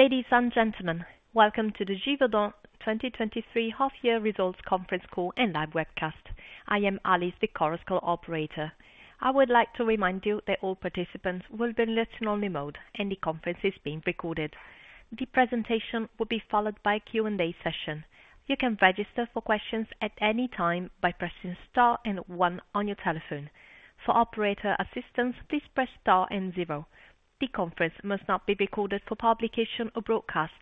Ladies and gentlemen, welcome to the Givaudan 2023 half year results conference call and live webcast. I am Alice, the Chorus Call operator. I would like to remind you that all participants will be in listen-only mode, and the conference is being recorded. The presentation will be followed by a Q&A session. You can register for questions at any time by pressing star and one on your telephone. For operator assistance, please press star and zero. The conference must not be recorded for publication or broadcast.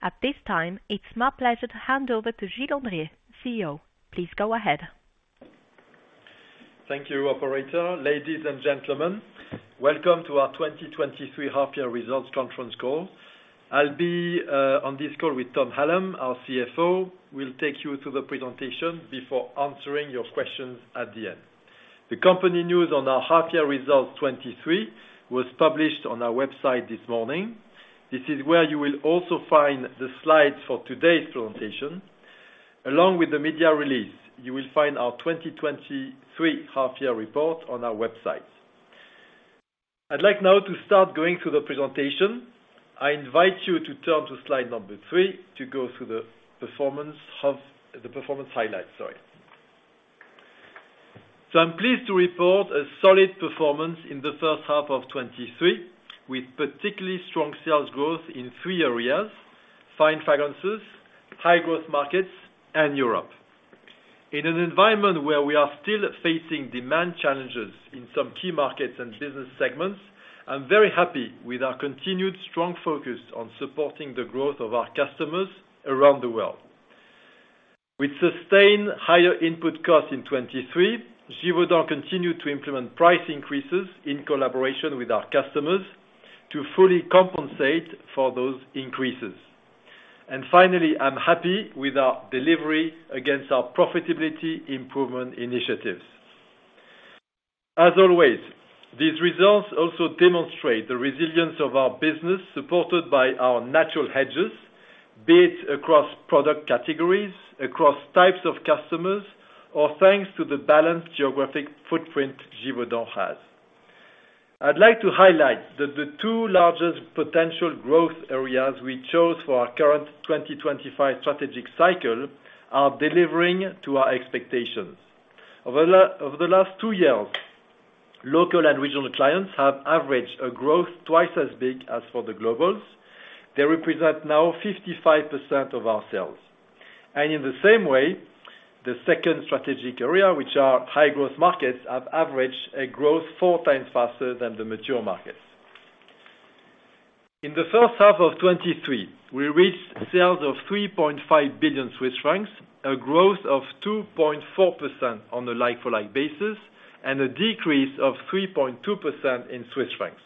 At this time, it's my pleasure to hand over to Gilles Andrier, CEO. Please go ahead. Thank you, Operator. Ladies and gentlemen, welcome to our 2023 half year results conference call. I'll be on this call with Tom Hallam, our CFO, we'll take you through the presentation before answering your questions at the end. The company news on our half year results 2023 was published on our website this morning. This is where you will also find the slides for today's presentation. Along with the media release, you will find our 2023 half year report on our website. I'd like now to start going through the presentation. I invite you to turn to slide number 3 to go through the performance highlights, sorry. I'm pleased to report a solid performance in the first half of 2023, with particularly strong sales growth in 3 areas: fine fragrances, high growth markets, and Europe. In an environment where we are still facing demand challenges in some key markets and business segments, I'm very happy with our continued strong focus on supporting the growth of our customers around the world. With sustained higher input costs in 2023, Givaudan continued to implement price increases in collaboration with our customers to fully compensate for those increases. Finally, I'm happy with our delivery against our profitability improvement initiatives. As always, these results also demonstrate the resilience of our business, supported by our natural hedges, be it across product categories, across types of customers, or thanks to the balanced geographic footprint Givaudan has. I'd like to highlight that the two largest potential growth areas we chose for our current 2025 strategic cycle are delivering to our expectations. Over the last two years, local and regional clients have averaged a growth twice as big as for the globals. They represent now 55% of our sales. In the same way, the second strategic area, which are high growth markets, have averaged a growth four times faster than the mature markets. In the first half of 2023, we reached sales of 3.5 billion Swiss francs, a growth of 2.4% on a like-for-like basis. A decrease of 3.2% in Swiss francs.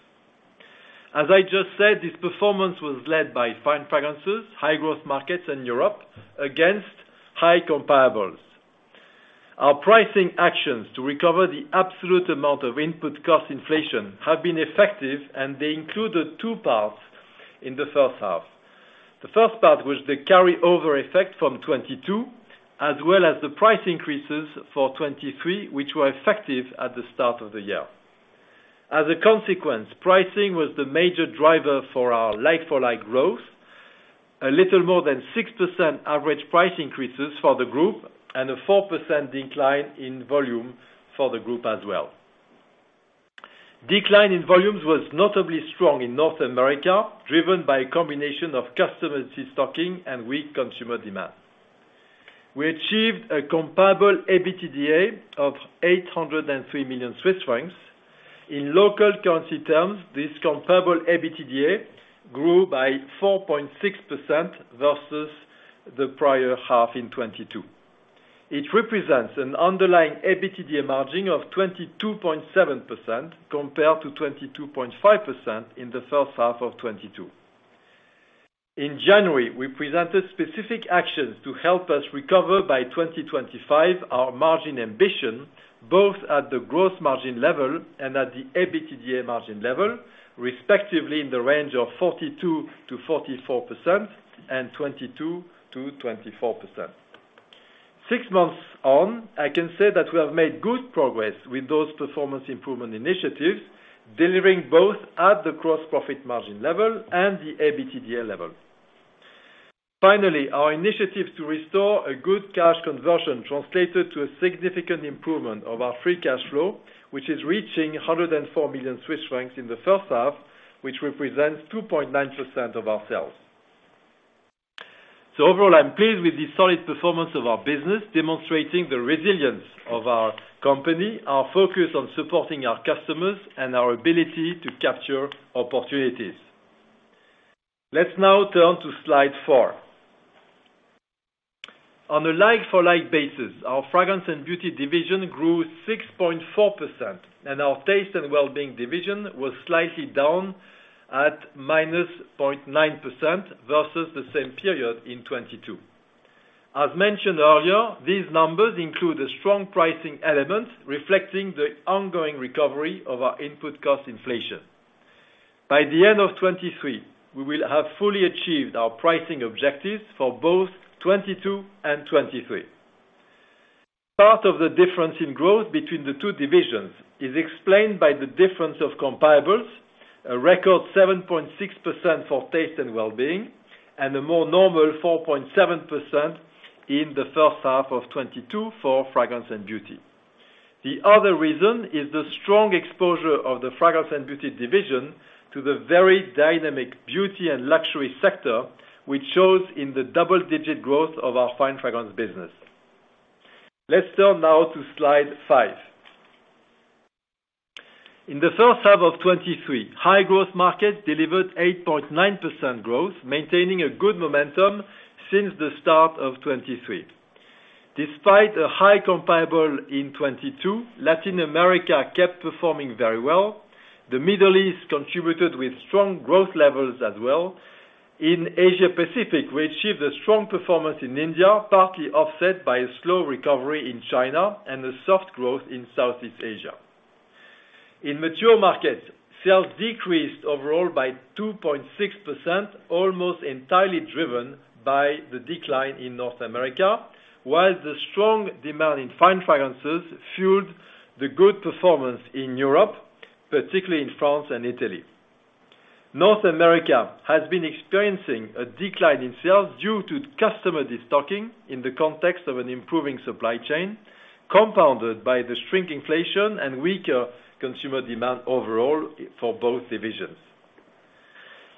As I just said, this performance was led by fine fragrances, high growth markets in Europe, against high comparables. Our pricing actions to recover the absolute amount of input cost inflation have been effective. They included two parts in the first half. The first part was the carry-over effect from 2022, as well as the price increases for 2023, which were effective at the start of the year. As a consequence, pricing was the major driver for our like-for-like growth. A little more than 6% average price increases for the group and a 4% decline in volume for the group as well. Decline in volumes was notably strong in North America, driven by a combination of customer restocking and weak consumer demand. We achieved a comparable EBITDA of 803 million Swiss francs. In local currency terms, this comparable EBITDA grew by 4.6% versus the prior half in 2022. It represents an underlying EBITDA margin of 22.7%, compared to 22.5% in the first half of 2022. In January, we presented specific actions to help us recover by 2025 our margin ambition, both at the gross margin level and at the EBITDA margin level, respectively in the range of 42%-44% and 22%-24%. Six months on, I can say that we have made good progress with those performance improvement initiatives, delivering both at the gross profit margin level and the EBITDA level. Finally, our initiative to restore a good cash conversion translated to a significant improvement of our free cash flow, which is reaching 104 million Swiss francs in the first half, which represents 2.9% of our sales. Overall, I'm pleased with the solid performance of our business, demonstrating the resilience of our company, our focus on supporting our customers, and our ability to capture opportunities. Let's now turn to slide 4. On a like-for-like basis, our Fragrance & Beauty division grew 6.4%, and our Taste & Wellbeing division was slightly down at -0.9% versus the same period in 2022. As mentioned earlier, these numbers include a strong pricing element reflecting the ongoing recovery of our input cost inflation. By the end of 2023, we will have fully achieved our pricing objectives for both 2022 and 2023. Part of the difference in growth between the two divisions is explained by the difference of comparables, a record 7.6% for Taste & Wellbeing, and a more normal 4.7% in the first half of 2022 for Fragrance & Beauty. The other reason is the strong exposure of the Fragrance & Beauty division to the very dynamic beauty and luxury sector, which shows in the double-digit growth of our fine fragrance business. Let's turn now to Slide 5. In the first half of 2023, high growth markets delivered 8.9% growth, maintaining a good momentum since the start of 2023. Despite a high comparable in 2022, Latin America kept performing very well. The Middle East contributed with strong growth levels as well. In Asia Pacific, we achieved a strong performance in India, partly offset by a slow recovery in China and a soft growth in Southeast Asia. In mature markets, sales decreased overall by 2.6%, almost entirely driven by the decline in North America, while the strong demand in fine finances fueled the good performance in Europe, particularly in France and Italy. North America has been experiencing a decline in sales due to customer destocking in the context of an improving supply chain, compounded by the shrinkflation and weaker consumer demand overall for both divisions.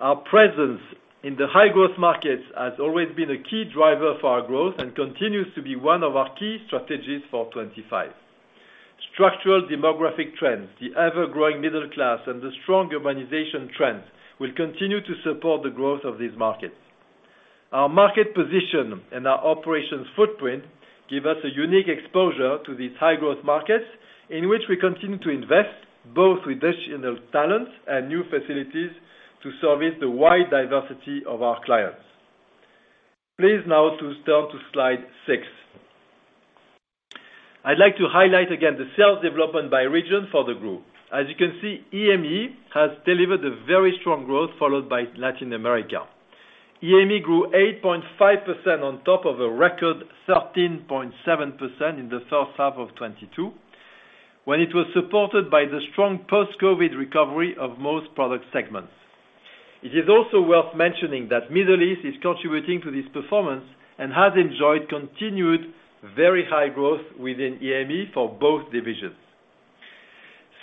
Our presence in the high growth markets has always been a key driver for our growth and continues to be one of our key strategies for 2025. Structural demographic trends, the ever-growing middle class, and the strong urbanization trends will continue to support the growth of these markets. Our market position and our operations footprint give us a unique exposure to these high growth markets, in which we continue to invest, both with additional talent and new facilities to service the wide diversity of our clients. Please now to turn to Slide 6. I'd like to highlight again the sales development by region for the group. As you can see, EMEA has delivered a very strong growth, followed by Latin America. EMEA grew 8.5% on top of a record 13.7% in the first half of 2022, when it was supported by the strong post-COVID recovery of most product segments. It is also worth mentioning that Middle East is contributing to this performance and has enjoyed continued very high growth within EMEA for both divisions.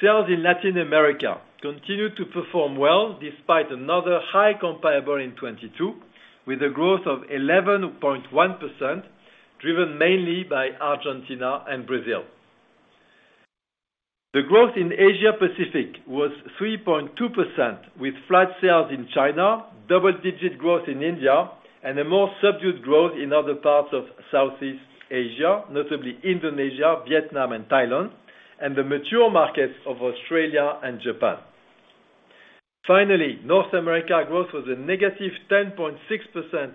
Sales in Latin America continued to perform well, despite another high comparable in 2022, with a growth of 11.1%, driven mainly by Argentina and Brazil. The growth in Asia Pacific was 3.2%, with flat sales in China, double-digit growth in India, and a more subdued growth in other parts of Southeast Asia, notably Indonesia, Vietnam, and Thailand, and the mature markets of Australia and Japan. North America growth was a negative 10.6%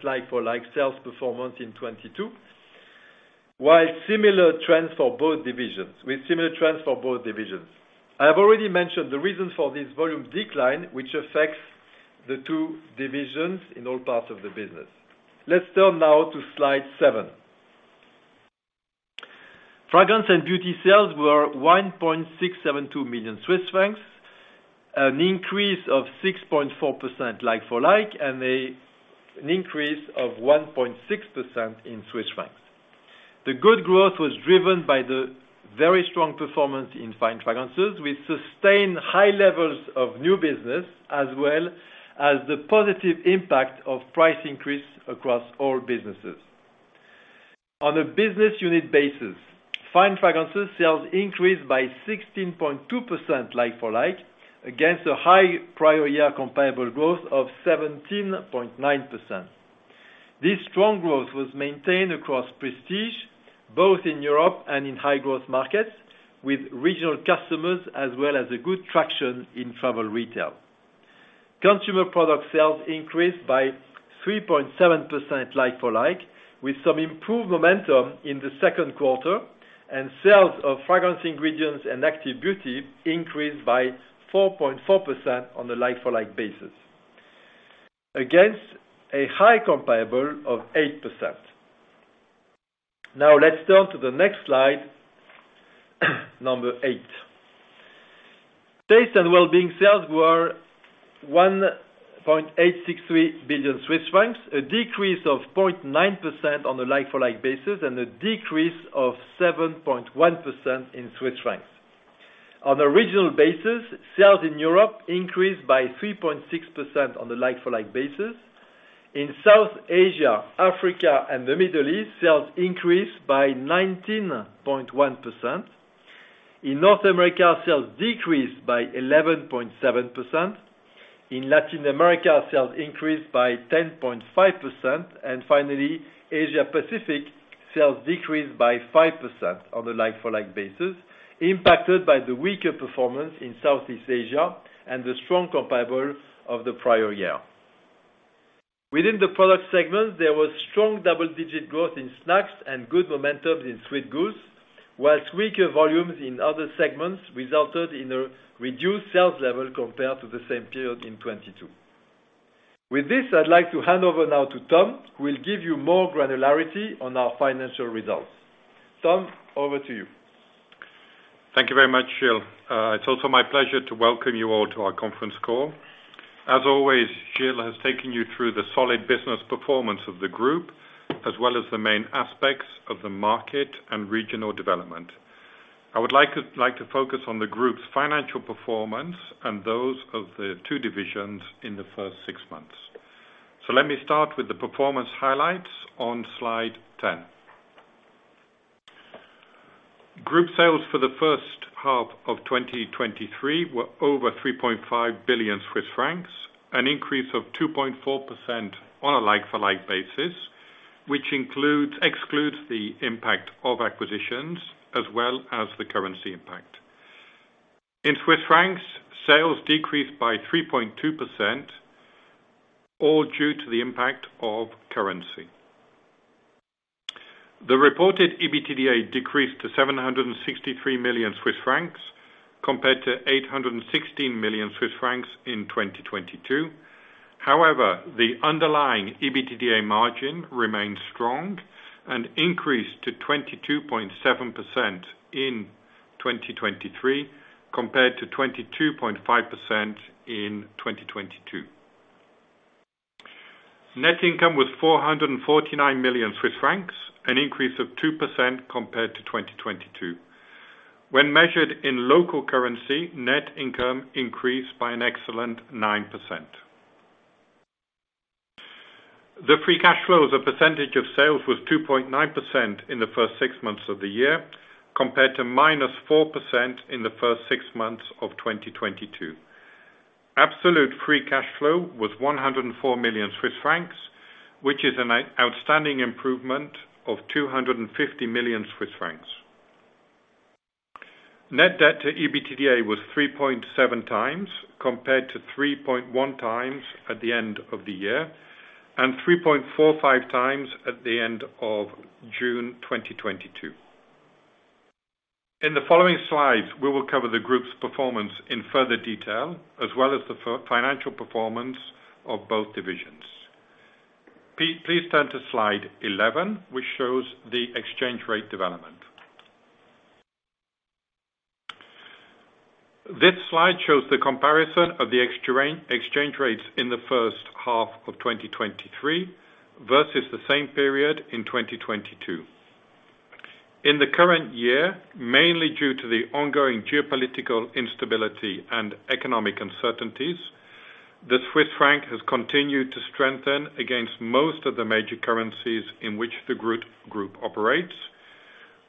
like-for-like sales performance in 2022, with similar trends for both divisions. I have already mentioned the reasons for this volume decline, which affects the two divisions in all parts of the business. Let's turn now to Slide 7. Fragrance & Beauty sales were 1.672 million Swiss francs, an increase of 6.4% like-for-like, an increase of 1.6% in CHF. The good growth was driven by the very strong performance in fine fragrances, with sustained high levels of new business, as well as the positive impact of price increase across all businesses. On a business unit basis, fine fragrances sales increased by 16.2% like-for-like, against a high prior year comparable growth of 17.9%. This strong growth was maintained across prestige, both in Europe and in high growth markets, with regional customers as well as a good traction in travel retail. Consumer product sales increased by 3.7% like-for-like, with some improved momentum in the second quarter, and sales of fragrance ingredients and active beauty increased by 4.4% on a like-for-like basis, against a high comparable of 8%. Let's turn to the next slide, number 8. Taste & Wellbeing sales were 1.863 billion Swiss francs, a decrease of 0.9% on a like-for-like basis, and a decrease of 7.1% in Swiss francs. On a regional basis, sales in Europe increased by 3.6% on the like-for-like basis. In South Asia, Africa, and the Middle East, sales increased by 19.1%. In North America, sales decreased by 11.7%. In Latin America, sales increased by 10.5%. Finally, Asia Pacific sales decreased by 5% on a like-for-like basis, impacted by the weaker performance in Southeast Asia and the strong comparable of the prior year. Within the product segment, there was strong double-digit growth in snacks and good momentum in sweet goods, whilst weaker volumes in other segments resulted in a reduced sales level compared to the same period in 2022. With this, I'd like to hand over now to Tom, who will give you more granularity on our financial results. Tom, over to you. Thank you very much, Gilles. It's also my pleasure to welcome you all to our conference call. As always, Gilles has taken you through the solid business performance of the group, as well as the main aspects of the market and regional development. I would like to focus on the group's financial performance and those of the two divisions in the first six months. Let me start with the performance highlights on Slide 10. Group sales for the first half of 2023 were over 3.5 billion Swiss francs, an increase of 2.4% on a like-for-like basis, which excludes the impact of acquisitions as well as the currency impact. In Swiss francs, sales decreased by 3.2%, all due to the impact of currency. The reported EBITDA decreased to 763 million Swiss francs, compared to 816 million Swiss francs in 2022. The underlying EBITDA margin remained strong and increased to 22.7% in 2023, compared to 22.5% in 2022. Net income was 449 million Swiss francs, an increase of 2% compared to 2022. When measured in local currency, net income increased by an excellent 9%. The free cash flow as a percentage of sales was 2.9% in the first six months of the year, compared to -4% in the first six months of 2022. Absolute free cash flow was 104 million Swiss francs, which is an outstanding improvement of 250 million Swiss francs. Net debt to EBITDA was 3.7 times, compared to 3.1 times at the end of the year, and 3.45 times at the end of June 2022. In the following slides, we will cover the group's performance in further detail, as well as the financial performance of both divisions. Please turn to Slide 11, which shows the exchange rate development. This slide shows the comparison of the exchange rates in the first half of 2023 versus the same period in 2022. In the current year, mainly due to the ongoing geopolitical instability and economic uncertainties, the Swiss franc has continued to strengthen against most of the major currencies in which the group operates,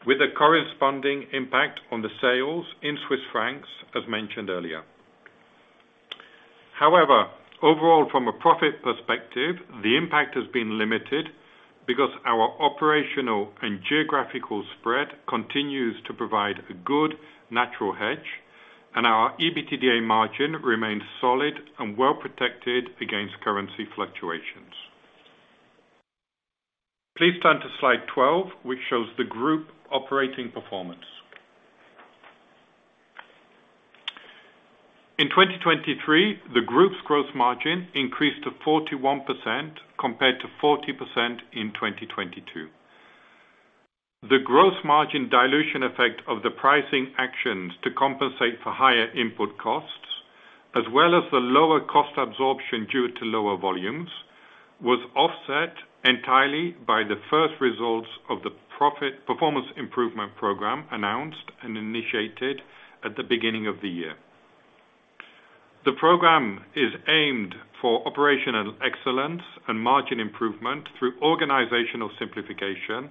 with a corresponding impact on the sales in Swiss francs, as mentioned earlier. Overall, from a profit perspective, the impact has been limited because our operational and geographical spread continues to provide a good natural hedge, and our EBITDA margin remains solid and well protected against currency fluctuations. Please turn to Slide 12, which shows the group operating performance. In 2023, the group's gross margin increased to 41%, compared to 40% in 2022. The gross margin dilution effect of the pricing actions to compensate for higher input costs, as well as the lower cost absorption due to lower volumes, was offset entirely by the first results of the profit performance improvement program announced and initiated at the beginning of the year. The program is aimed for operational excellence and margin improvement through organizational simplification,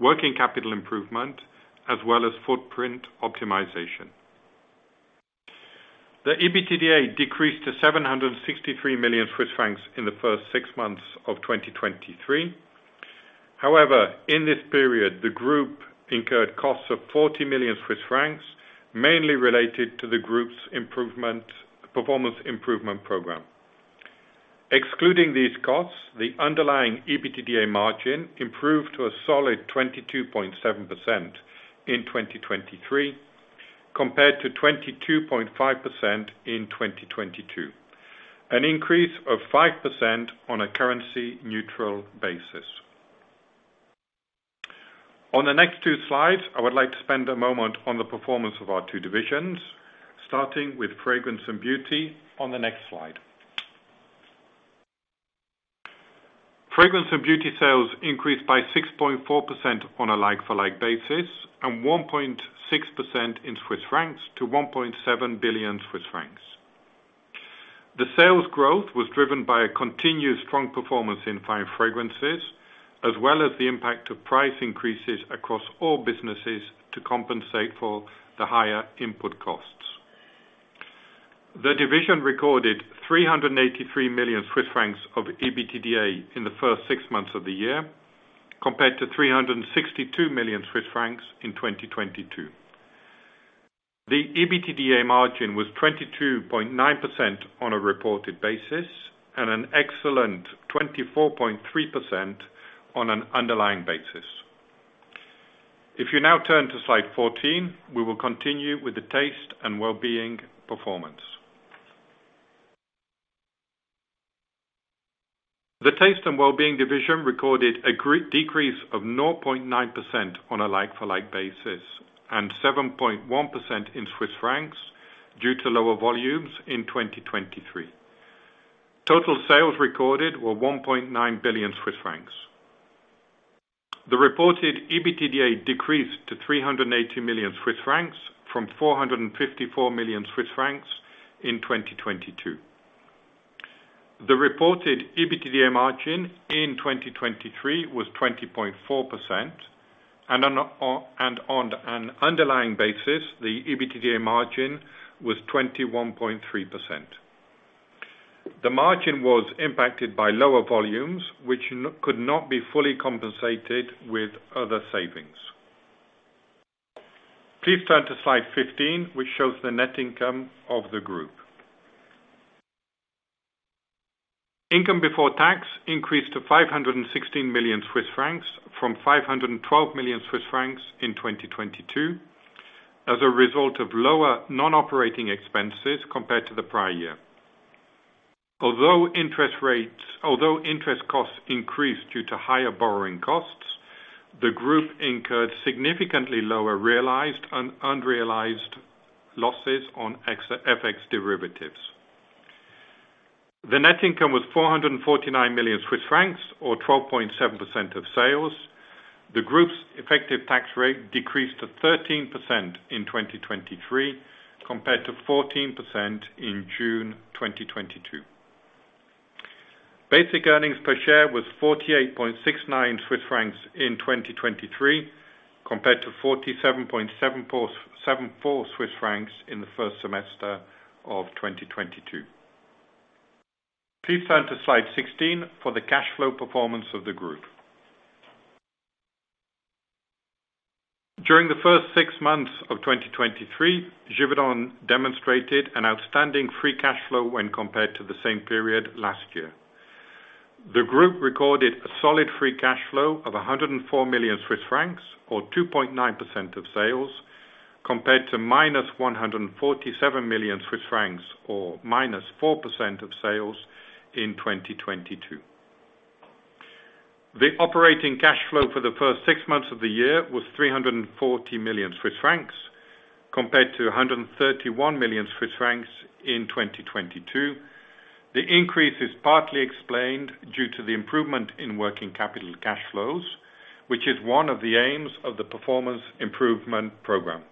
working capital improvement, as well as footprint optimization. The EBITDA decreased to 763 million Swiss francs in the first six months of 2023. In this period, the group incurred costs of 40 million Swiss francs, mainly related to the group's improvement, performance improvement program. Excluding these costs, the underlying EBITDA margin improved to a solid 22.7% in 2023, compared to 22.5% in 2022, an increase of 5% on a currency neutral basis. On the next two slides, I would like to spend a moment on the performance of our two divisions, starting with Fragrance & Beauty on the next slide. Fragrance & Beauty sales increased by 6.4% on a like-for-like basis, and 1.6% in Swiss francs to 1.7 billion Swiss francs. The sales growth was driven by a continuous strong performance in fine fragrances, as well as the impact of price increases across all businesses to compensate for the higher input costs. The division recorded 383 million Swiss francs of EBITDA in the first six months of the year, compared to 362 million Swiss francs in 2022. The EBITDA margin was 22.9% on a reported basis and an excellent 24.3% on an underlying basis. If you now turn to slide 14, we will continue with the Taste & Wellbeing performance. The Taste & Wellbeing division recorded a great decrease of 0.9% on a like-for-like basis, and 7.1% in CHF due to lower volumes in 2023. Total sales recorded were 1.9 billion Swiss francs. The reported EBITDA decreased to 380 million Swiss francs, from 454 million Swiss francs in 2022. The reported EBITDA margin in 2023 was 20.4%, and on an underlying basis, the EBITDA margin was 21.3%. The margin was impacted by lower volumes, which could not be fully compensated with other savings. Please turn to slide 15, which shows the net income of the group. Income before tax increased to 516 million Swiss francs, from 512 million Swiss francs in 2022, as a result of lower non-operating expenses compared to the prior year. Although interest costs increased due to higher borrowing costs, the group incurred significantly lower realized and unrealized losses on FX derivatives. The net income was 449 million Swiss francs, or 12.7% of sales. The group's effective tax rate decreased to 13% in 2023, compared to 14% in June 2022. Basic earnings per share was 48.69 Swiss francs in 2023, compared to 47.74 Swiss francs in the first semester of 2022. Please turn to slide 16 for the cash flow performance of the group. During the first 6 months of 2023, Givaudan demonstrated an outstanding free cash flow when compared to the same period last year. The group recorded a solid free cash flow of 104 million Swiss francs, or 2.9% of sales, compared to -147 million Swiss francs, or -4% of sales, in 2022. The operating cash flow for the first six months of the year was 340 million Swiss francs, compared to 131 million Swiss francs in 2022. The increase is partly explained due to the improvement in working capital cash flows, which is one of the aims of the performance improvement program.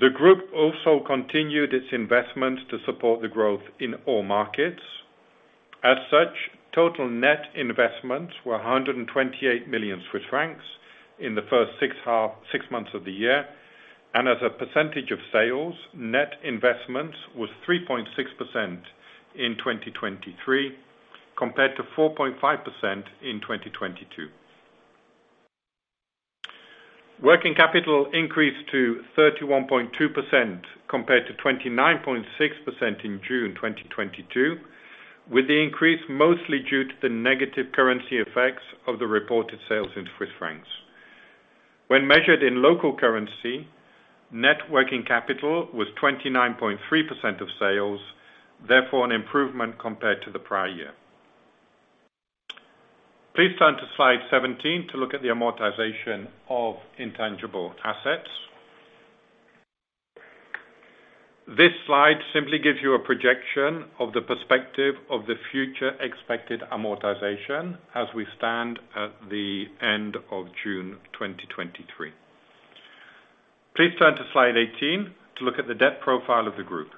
The group also continued its investment to support the growth in all markets. As such, total net investments were 128 million Swiss francs in the first six months of the year, and as a percentage of sales, net investments was 3.6% in 2023, compared to 4.5% in 2022. Working capital increased to 31.2%, compared to 29.6% in June 2022, with the increase mostly due to the negative currency effects of the reported sales in CHF. When measured in local currency, net working capital was 29.3% of sales, therefore, an improvement compared to the prior year. Please turn to slide 17 to look at the amortization of intangible assets. This slide simply gives you a projection of the perspective of the future expected amortization as we stand at the end of June 2023. Please turn to slide 18 to look at the debt profile of the group.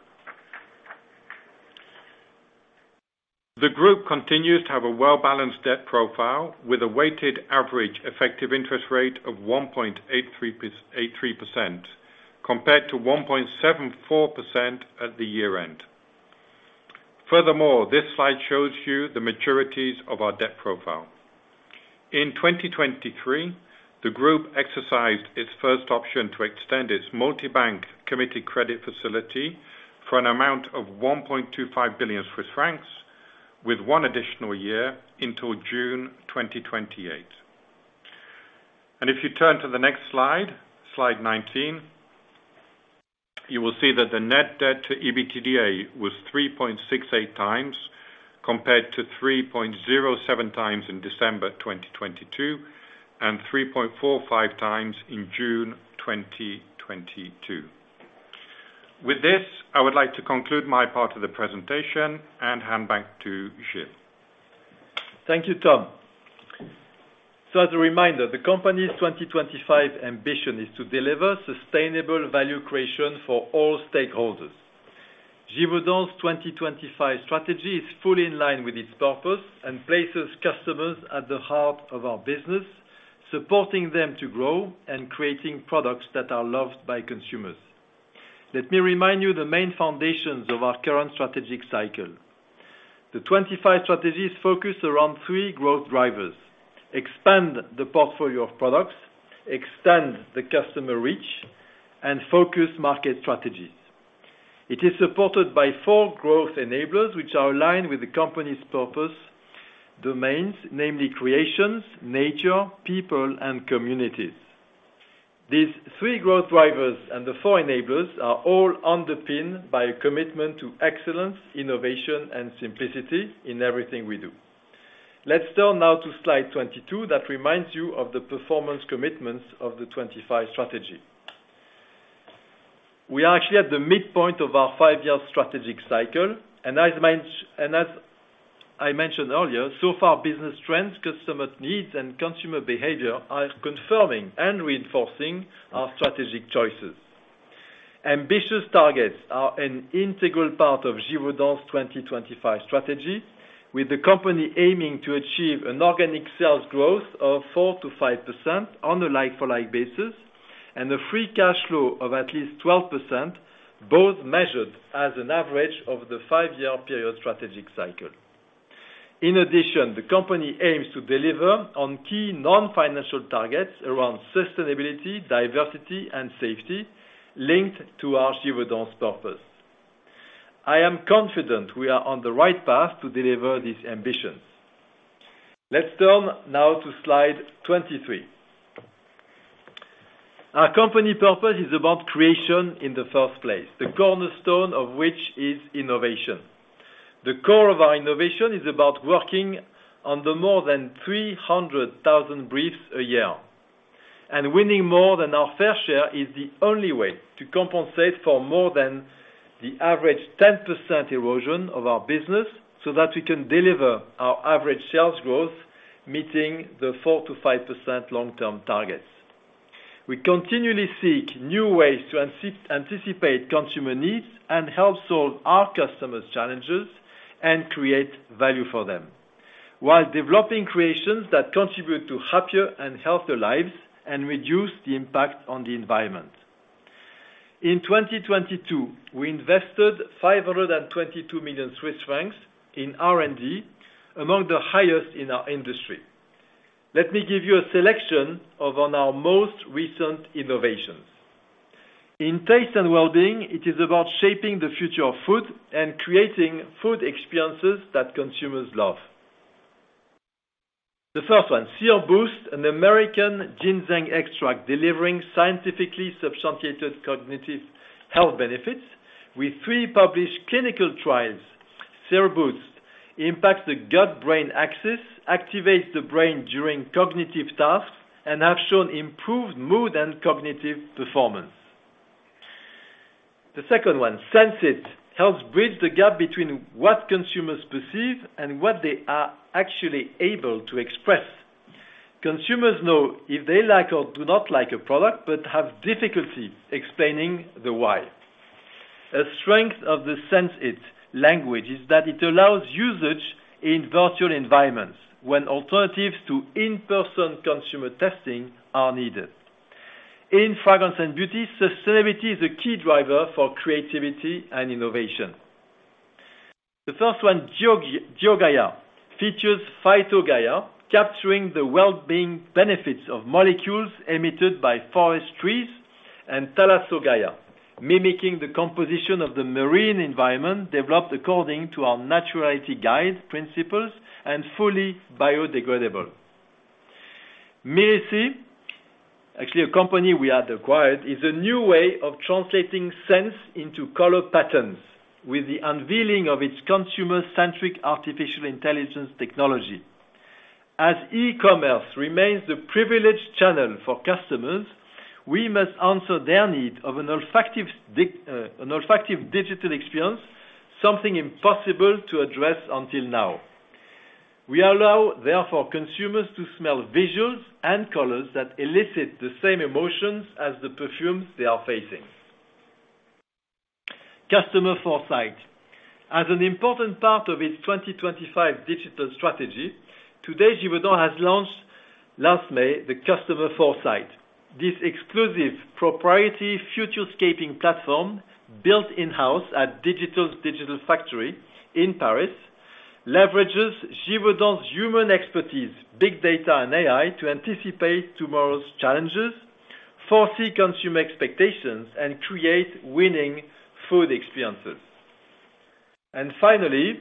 The group continues to have a well-balanced debt profile, with a weighted average effective interest rate of 1.83%, compared to 1.74% at the year-end. Furthermore, this slide shows you the maturities of our debt profile. In 2023, the group exercised its first option to extend its multi-bank committee credit facility for an amount of 1.25 billion Swiss francs, with 1 additional year until June 2028. If you turn to the next slide 19, you will see that the net debt to EBITDA was 3.68 times, compared to 3.07 times in December 2022, and 3.45 times in June 2022. With this, I would like to conclude my part of the presentation and hand back to Gilles. Thank you, Tom. As a reminder, the company's 2025 ambition is to deliver sustainable value creation for all stakeholders. Givaudan's 2025 strategy is fully in line with its purpose and places customers at the heart of our business, supporting them to grow and creating products that are loved by consumers. Let me remind you, the main foundations of our current strategic cycle. The 25 strategies focus around three growth drivers: expand the portfolio of products, extend the customer reach, and focus market strategies. It is supported by four growth enablers, which are aligned with the company's purpose domains, namely creations, nature, people, and communities. These three growth drivers and the four enablers are all underpinned by a commitment to excellence, innovation, and simplicity in everything we do. Let's turn now to slide 22, that reminds you of the performance commitments of the 25 strategy. We are actually at the midpoint of our five-year strategic cycle. As I mentioned earlier, so far, business trends, customer needs, and consumer behavior are confirming and reinforcing our strategic choices. Ambitious targets are an integral part of Givaudan's 2025 strategy, with the company aiming to achieve an organic sales growth of 4%-5% on a like-for-like basis, and a free cash flow of at least 12%, both measured as an average of the five-year period strategic cycle. In addition, the company aims to deliver on key non-financial targets around sustainability, diversity, and safety, linked to our Givaudan's purpose. I am confident we are on the right path to deliver these ambitions. Let's turn now to slide 23. Our company purpose is about creation in the first place, the cornerstone of which is innovation. The core of our innovation is about working on the more than 300,000 briefs a year. Winning more than our fair share is the only way to compensate for more than the average 10% erosion of our business, so that we can deliver our average sales growth, meeting the 4%-5% long-term targets. We continually seek new ways to anticipate consumer needs and help solve our customers' challenges and create value for them, while developing creations that contribute to happier and healthier lives, and reduce the impact on the environment. In 2022, we invested 522 million Swiss francs in R&D, among the highest in our industry. Let me give you a selection of on our most recent innovations. In Taste & Wellbeing, it is about shaping the future of food and creating food experiences that consumers love. The first one, Cereboost, an American ginseng extract, delivering scientifically substantiated cognitive health benefits with 3 published clinical trials. Cereboost impacts the gut-brain axis, activates the brain during cognitive tasks, and have shown improved mood and cognitive performance. The second one, SenseIt, helps bridge the gap between what consumers perceive and what they are actually able to express. Consumers know if they like or do not like a product, but have difficulty explaining the why. A strength of the SenseIt language is that it allows usage in virtual environments when alternatives to in-person consumer testing are needed. In Fragrance and Beauty, sustainability is a key driver for creativity and innovation. The first one, Geogāya, features Phytogaia, capturing the wellbeing benefits of molecules emitted by forest trees, and Thalassogaia, mimicking the composition of the marine environment, developed according to our Naturality Guide principles and fully biodegradable. Myrissi, actually, a company we had acquired, is a new way of translating scents into color patterns, with the unveiling of its consumer-centric artificial intelligence technology. As e-commerce remains the privileged channel for customers, we must answer their need of an olfactive digital experience, something impossible to address until now. We allow, therefore, consumers to smell visuals and colors that elicit the same emotions as the perfumes they are facing. Customer Foresight. As an important part of its 2025 digital strategy, today, Givaudan has launched last May, the Customer Foresight. This exclusive proprietary futurescaping platform, built in-house at Digital's digital factory in Paris, leverages Givaudan's human expertise, big data and AI, to anticipate tomorrow's challenges, foresee consumer expectations, and create winning food experiences. Finally,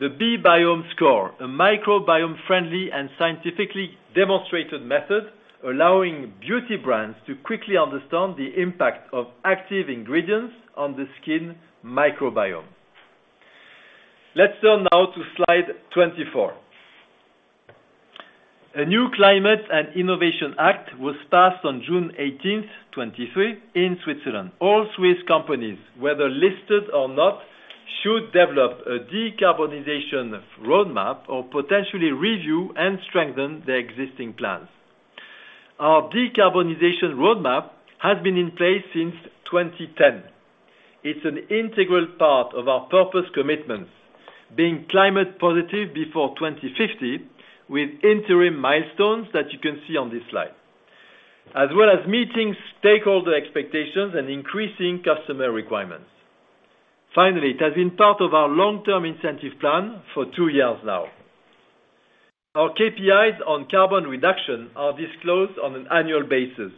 the B-Biome Score, a microbiome-friendly and scientifically demonstrated method, allowing beauty brands to quickly understand the impact of active ingredients on the skin microbiome. Let's turn now to slide 24. A new Climate and Innovation Act was passed on June 18th, 2023 in Switzerland. All Swiss companies, whether listed or not, should develop a decarbonization roadmap or potentially review and strengthen their existing plans. Our decarbonization roadmap has been in place since 2010. It's an integral part of our purpose commitments, being climate positive before 2050, with interim milestones that you can see on this slide, as well as meeting stakeholder expectations and increasing customer requirements. Finally, it has been part of our long-term incentive plan for 2 years now. Our KPIs on carbon reduction are disclosed on an annual basis.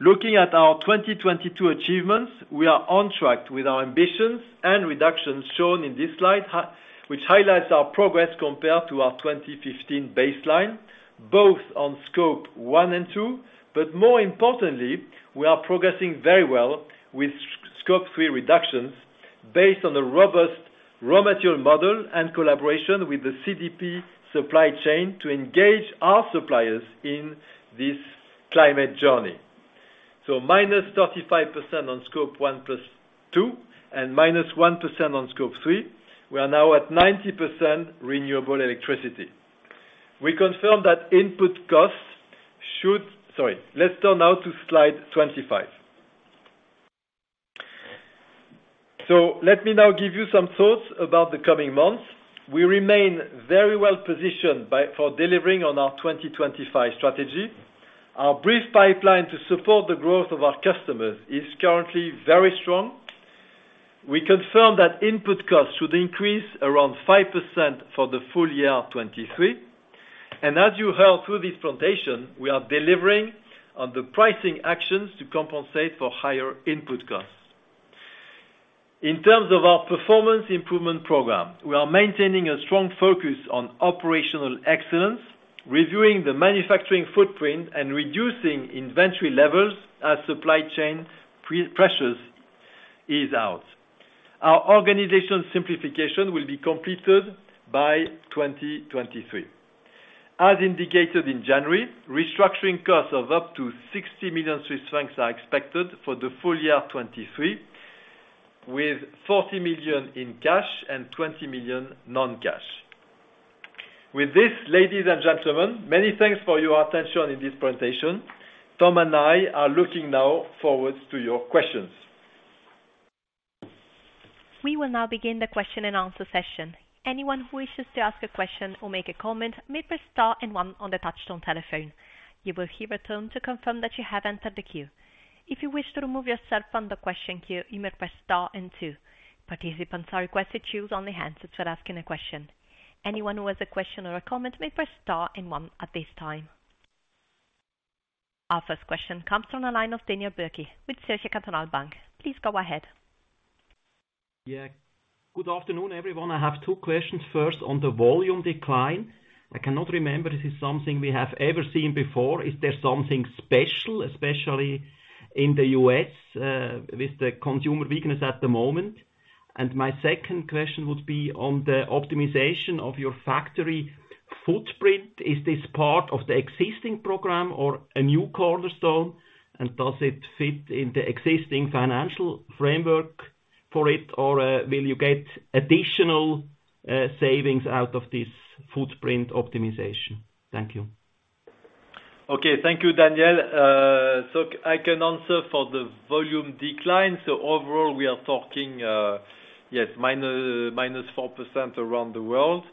Looking at our 2022 achievements, we are on track with our ambitions and reductions shown in this slide, which highlights our progress compared to our 2015 baseline, both on Scope 1 and 2. More importantly, we are progressing very well with Scope 3 reductions based on the robust raw material model and collaboration with the CDP supply chain to engage our suppliers in this climate journey. -35% on Scope 1 + 2, and -1% on Scope 3, we are now at 90% renewable electricity. We confirm that input costs should. Sorry, let's turn now to slide 25. Let me now give you some thoughts about the coming months. We remain very well positioned for delivering on our 2025 strategy. Our brief pipeline to support the growth of our customers is currently very strong. We confirm that input costs should increase around 5% for the full year 2023, and as you heard through this presentation, we are delivering on the pricing actions to compensate for higher input costs. In terms of our performance improvement program, we are maintaining a strong focus on operational excellence, reviewing the manufacturing footprint, and reducing inventory levels as supply chain pre-pressures ease out. Our organization simplification will be completed by 2023. As indicated in January, restructuring costs of up to 60 million Swiss francs are expected for the full year 2023, with 40 million in cash and 20 million non-cash. With this, ladies and gentlemen, many thanks for your attention in this presentation. Tom and I are looking now forward to your questions. We will now begin the question and answer session. Anyone who wishes to ask a question or make a comment may press star and one on the touchtone telephone. You will hear a tone to confirm that you have entered the queue. If you wish to remove yourself from the question queue, you may press star and two. Participants are requested to use only hands for asking a question. Anyone who has a question or a comment may press star and one at this time. Our first question comes from the line of Daniel Bürki, with Zürcher Kantonalbank. Please go ahead. Yeah. Good afternoon, everyone. I have two questions. First, on the volume decline, I cannot remember if it's something we have ever seen before. Is there something special, especially in the U.S., with the consumer weakness at the moment? My second question would be on the optimization of your factory footprint. Is this part of the existing program or a new cornerstone? Does it fit in the existing financial framework for it, or will you get additional savings out of this footprint optimization? Thank you. Okay. Thank you, Daniel. I can answer for the volume decline. Overall, we are talking, yes, minus 4% around the world.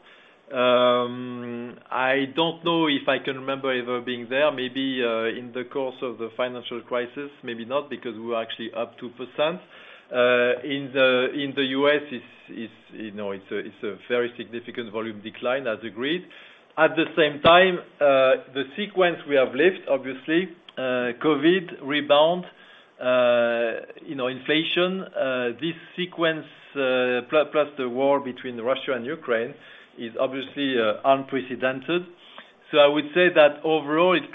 I don't know if I can remember ever being there, maybe in the course of the financial crisis, maybe not, because we were actually up 2%. In the US, it's a very significant volume decline, as agreed. At the same time, the sequence we have left, obviously, COVID, rebound inflation, this sequence, plus the war between Russia and Ukraine, is obviously unprecedented. I would say that overall it's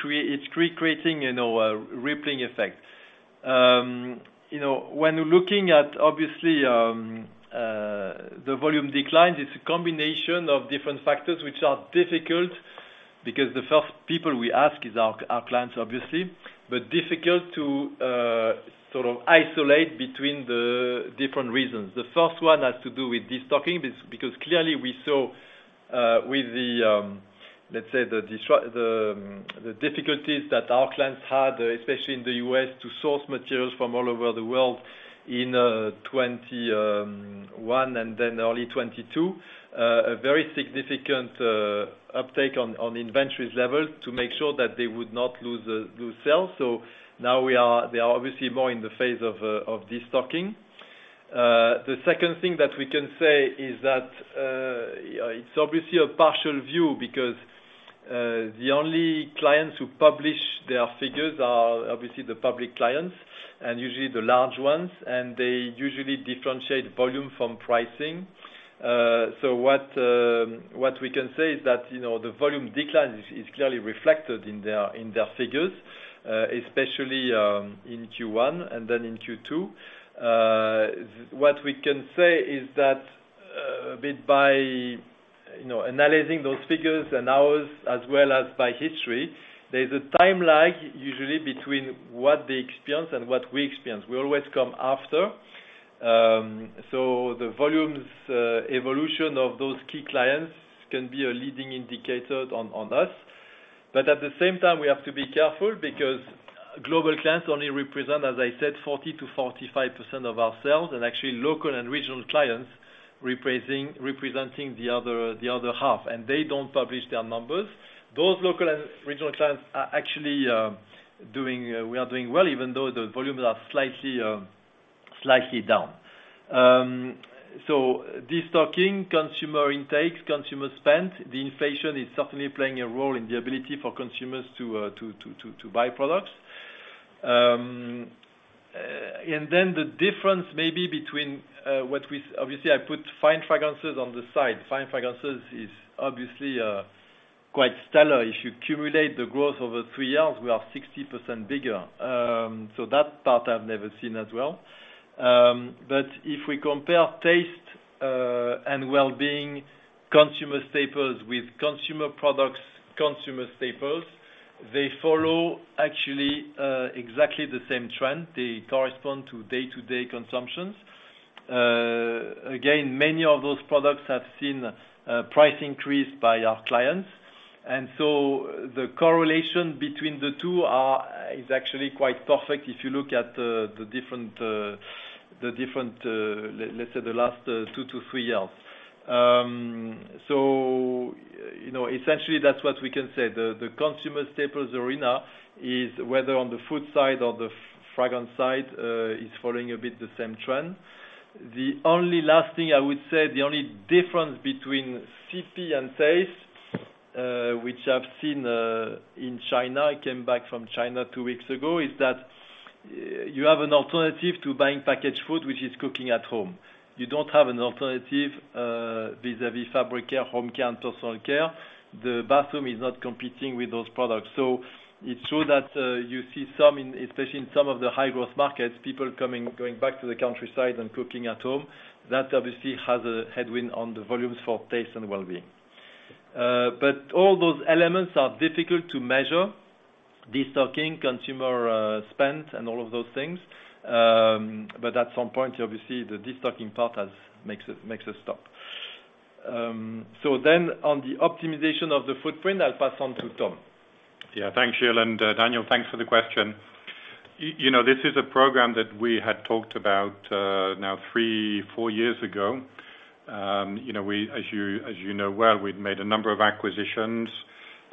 creating a rippling effect. You know, when looking at obviously, the volume decline, it's a combination of different factors which are difficult because the first people we ask is our clients, obviously, but difficult to sort of isolate between the different reasons. The first one has to do with destocking, because clearly we saw, with the, let's say, the difficulties that our clients had, especially in the US, to source materials from all over the world in 2021 and then early 2022, a very significant uptake on inventories level to make sure that they would not lose sales. Now they are obviously more in the phase of destocking. The second thing that we can say is that it's obviously a partial view because the only clients who publish their figures are obviously the public clients, and usually the large ones, and they usually differentiate volume from pricing. What we can say is that the volume decline is clearly reflected in their figures, especially in Q1 and then in Q2. What we can say is that a bit by analyzing those figures and ours, as well as by history, there's a time lag usually between what they experience and what we experience. We always come after. The volumes evolution of those key clients can be a leading indicator on us. At the same time, we have to be careful because global clients only represent, as I said, 40%-45% of our sales, and actually local and regional clients representing the other, the other half, and they don't publish their numbers. Those local and regional clients are actually, doing, we are doing well, even though the volumes are slightly down. Destocking, consumer intakes, consumer spend, the inflation is certainly playing a role in the ability for consumers to, to, to buy products. Then the difference maybe between, what we obviously, I put Fine Fragrances on the side. Fine Fragrances is obviously, quite stellar. If you cumulate the growth over three years, we are 60% bigger. That part I've never seen as well. If we compare Taste & Wellbeing, consumer staples with consumer products, consumer staples, they follow actually exactly the same trend. They correspond to day-to-day consumptions. Again, many of those products have seen price increase by our clients. The correlation between the two is actually quite perfect if you look at the different let's say the last two to three years. You know, essentially that's what we can say. The consumer staples arena is, whether on the food side or the fragrance side, is following a bit the same trend. The only last thing I would say, the only difference between CP and taste, which I've seen, in China, I came back from China two weeks ago, is that you have an alternative to buying packaged food, which is cooking at home. You don't have an alternative vis-à-vis fabric care, home care, and personal care. The bathroom is not competing with those products. It's true that you see some, especially in some of the high growth markets, people coming, going back to the countryside and cooking at home. That, obviously, has a headwind on the volumes for Taste & Wellbeing. All those elements are difficult to measure, destocking, consumer spend, and all of those things. At some point, obviously, the destocking part makes us stop. On the optimization of the footprint, I'll pass on to Tom. Yeah. Thanks, Gilles, and Daniel, thanks for the question. You know, this is a program that we had talked about now 3, 4 years ago. You know, we, as you, as you know well, we've made a number of acquisitions,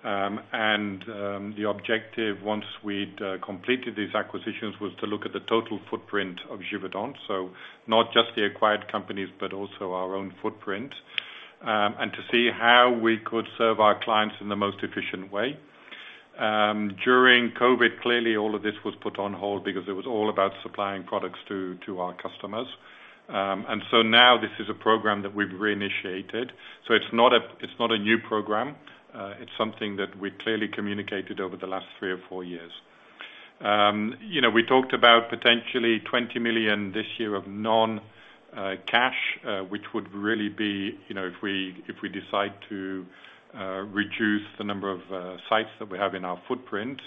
and the objective, once we'd completed these acquisitions, was to look at the total footprint of Givaudan. So not just the acquired companies, but also our own footprint, and to see how we could serve our clients in the most efficient way. During COVID, clearly all of this was put on hold because it was all about supplying products to our customers. Now this is a program that we've reinitiated. So it's not a new program, it's something that we clearly communicated over the last 3 or 4 years. You know, we talked about potentially $20 million this year of non-cash, which would really be if we decide to reduce the number of sites that we have in our footprint.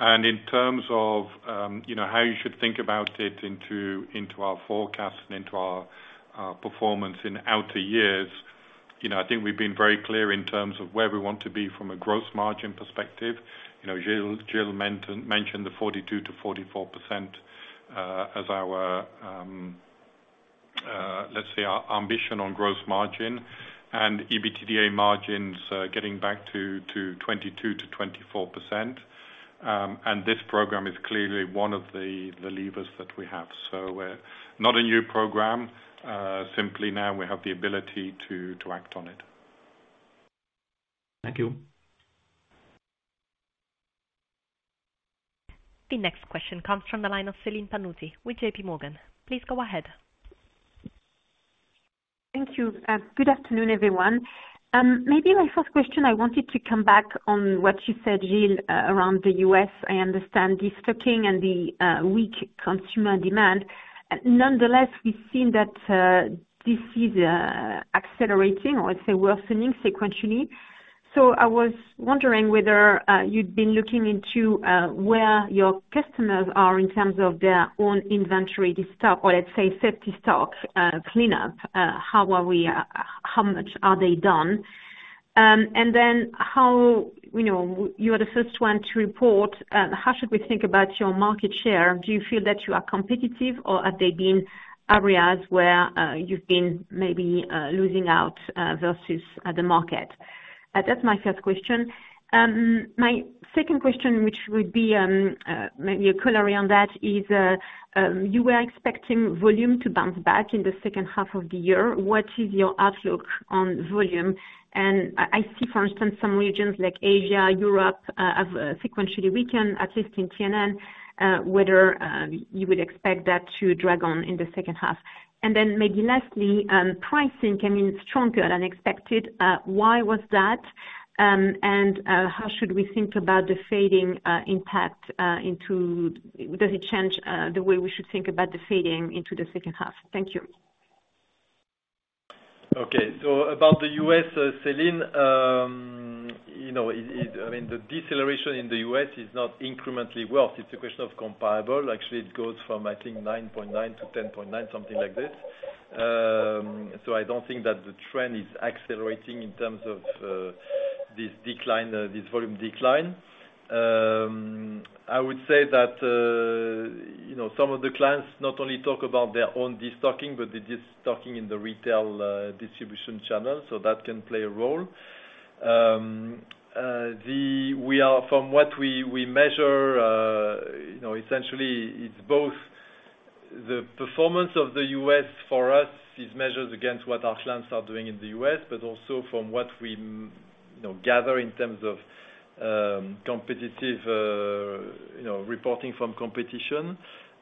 In terms of how you should think about it into our forecast and into our performance in outer years I think we've been very clear in terms of where we want to be from a gross margin perspective. You know, Gilles mentioned the 42%-44% as our, let's say our ambition on gross margin and EBITDA margins, getting back to 22%-24%. This program is clearly one of the levers that we have. Not a new program, simply now we have the ability to act on it. Thank you. The next question comes from the line of Celine Pannuti with JP Morgan. Please go ahead. Thank you. Good afternoon, everyone. Maybe my first question, I wanted to come back on what you said, Gilles, around the U.S. I understand destocking and the weak consumer demand. Nonetheless, we've seen that this is accelerating or, let's say, worsening sequentially. I was wondering whether you'd been looking into where your customers are in terms of their own inventory destock, or let's say, safety stock, cleanup? How are we, how much are they done? Then how... You know, you are the first one to report, how should we think about your market share? Do you feel that you are competitive, or have there been areas where you've been maybe losing out versus the market? That's my first question. My second question, which would be, maybe a corollary on that, is you were expecting volume to bounce back in the second half of the year. What is your outlook on volume? I see, for instance, some regions like Asia, Europe, have sequentially weakened, at least in TNN, whether you would expect that to drag on in the second half. Maybe lastly, pricing came in stronger than expected. Why was that? How should we think about the fading impact does it change the way we should think about the fading into the second half? Thank you. Okay. About the U.S., celine it, I mean, the deceleration in the U.S. is not incrementally worse. It's a question of comparable. Actually, it goes from, I think, 9.9 to 10.9, something like this. I don't think that the trend is accelerating in terms of this decline, this volume decline. I would say that some of the clients not only talk about their own destocking, but the destocking in the retail distribution channel, so that can play a role. the, we are from what we measure essentially, it's both the performance of the U.S. for us is measured against what our clients are doing in the U.S. Also from what we gather in terms of competitive reporting from competition.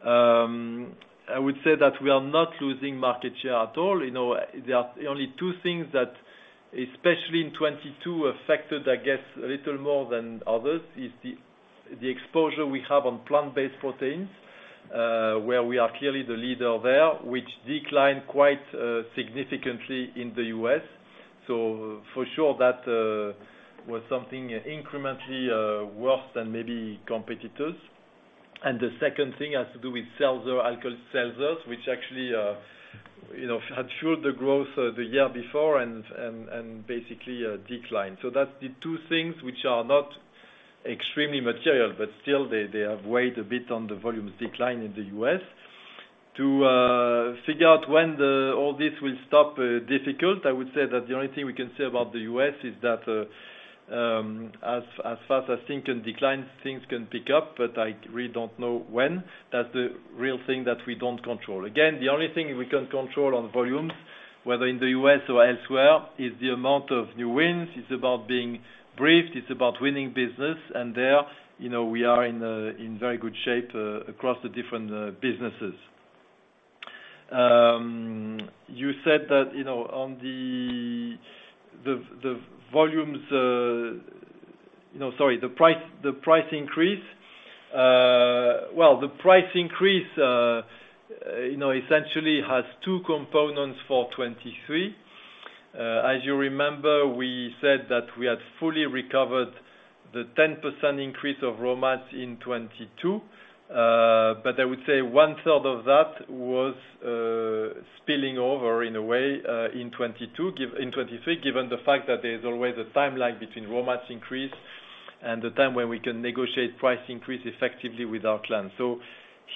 I would say that we are not losing market share at all. You know, there are only two things that, especially in 22, affected, I guess, a little more than others, is the exposure we have on plant-based proteins, where we are clearly the leader there, which declined quite significantly in the U.S. For sure, that was something incrementally worse than maybe competitors. The second thing has to do with seltzer, alcohol seltzers, which actually had showed the growth the year before and basically declined. That's the two things which are not extremely material, but still they have weighed a bit on the volumes decline in the U.S. To figure out when all this will stop, difficult. I would say that the only thing we can say about the U.S. is that as fast as things can decline, things can pick up, but I really don't know when. That's the real thing that we don't control. The only thing we can control on volumes, whether in the U.S. or elsewhere, is the amount of new wins. It's about being briefed, it's about winning business. there we are in very good shape across the different businesses. You said that on the volumes sorry, the price, the price increase. The price increase essentially has two components for 2023. As you remember, we said that we had fully recovered the 10% increase of raw mats in 2022. I would say one third of that was spilling over in a way in 2022, in 2023, given the fact that there is always a timeline between raw mats increase and the time when we can negotiate price increase effectively with our clients.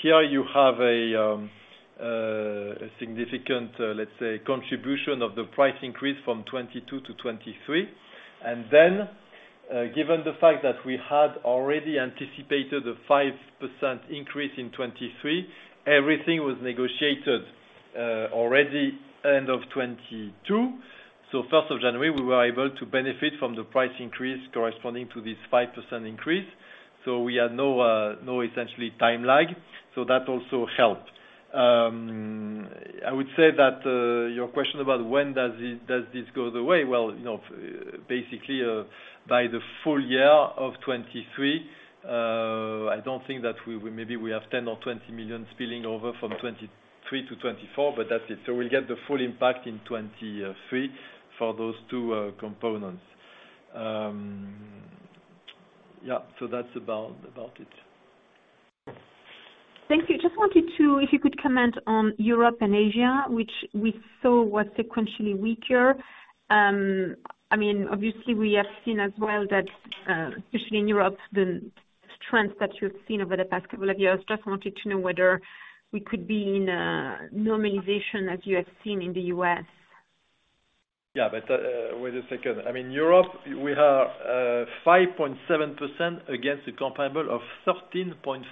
Here you have a significant, let's say, contribution of the price increase from 2022 to 2023. Given the fact that we had already anticipated a 5% increase in 2023, everything was negotiated already end of 2022. 1st of January, we were able to benefit from the price increase corresponding to this 5% increase, we had no essentially time lag, that also helped. I would say that your question about when does this go away? well basically, by the full year of 2023, I don't think that we, maybe we have 10 or 20 million spilling over from 2023 to 2024, that's it. We'll get the full impact in 2023 for those two components. Yeah, that's about it. Thank you. Just wanted to. If you could comment on Europe and Asia, which we saw was sequentially weaker. I mean, obviously we have seen as well that, especially in Europe, the strength that you've seen over the past couple of years. Just wanted to know whether we could be in a normalization as you have seen in the U.S. Wait a second. I mean, Europe, we are 5.7% against a comparable of 13.5%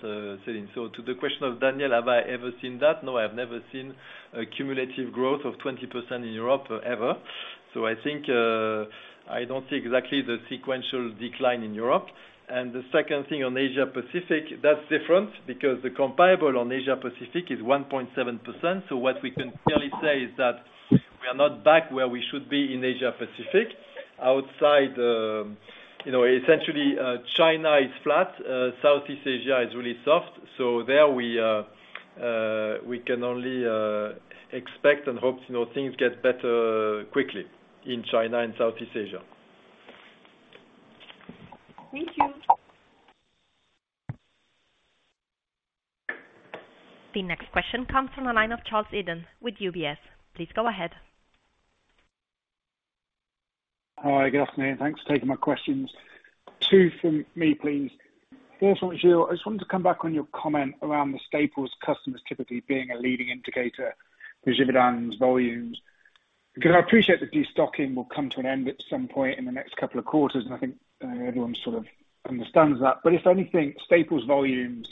selling. To the question of Daniel, have I ever seen that? No, I have never seen a cumulative growth of 20% in Europe, ever. I think, I don't see exactly the sequential decline in Europe. The second thing on Asia Pacific, that's different because the comparable on Asia Pacific is 1.7%. What we can clearly say is that we are not back where we should be in Asia Pacific. outside essentially, China is flat, Southeast Asia is really soft. There we can only expect and hope things get better quickly in China and Southeast Asia. Thank you. The next question comes from the line of Charles Eden with UBS. Please go ahead. Hi, good afternoon, and thanks for taking my questions. 2 from me, please. First one, Gilles, I just wanted to come back on your comment around the staples customers typically being a leading indicator for Givaudan's volumes. I appreciate the destocking will come to an end at some point in the next couple of quarters, and I think everyone sort of understands that. If anything, staples volumes,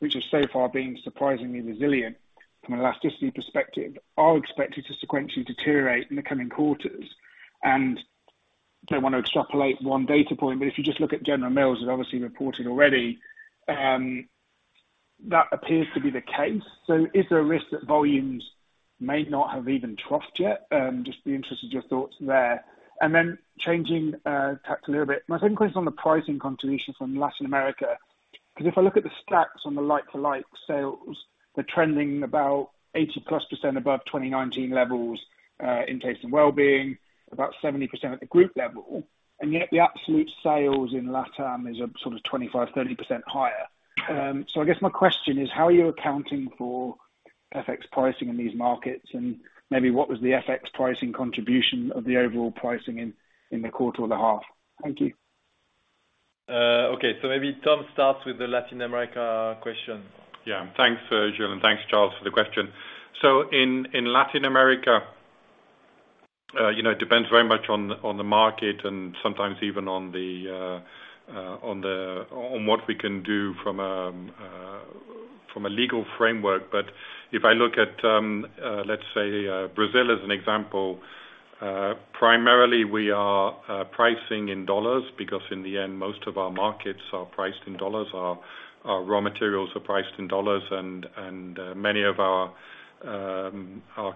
which have so far been surprisingly resilient from an elasticity perspective, are expected to sequentially deteriorate in the coming quarters. Don't want to extrapolate 1 data point, but if you just look at General Mills, who obviously reported already, that appears to be the case. Is there a risk that volumes may not have even troughed yet? Just be interested in your thoughts there. Changing tact a little bit, my second question on the pricing contribution from Latin America, because if I look at the stacks on the like-for-like sales, they're trending about 80+% above 2019 levels in Taste & Wellbeing, about 70% at the group level, and yet the absolute sales in Latam is sort of 25%-30% higher. I guess my question is: How are you accounting for FX pricing in these markets? Maybe what was the FX pricing contribution of the overall pricing in the quarter or the half? Thank you. Okay, maybe Tom starts with the Latin America question. Thanks, Julian, thanks, Charles, for the question. In Latin america it depends very much on the market and sometimes even on the, on what we can do from a legal framework. If I look at, let's say, Brazil, as an example, primarily, we are pricing in $, because in the end, most of our markets are priced in $, our raw materials are priced in $, and many of our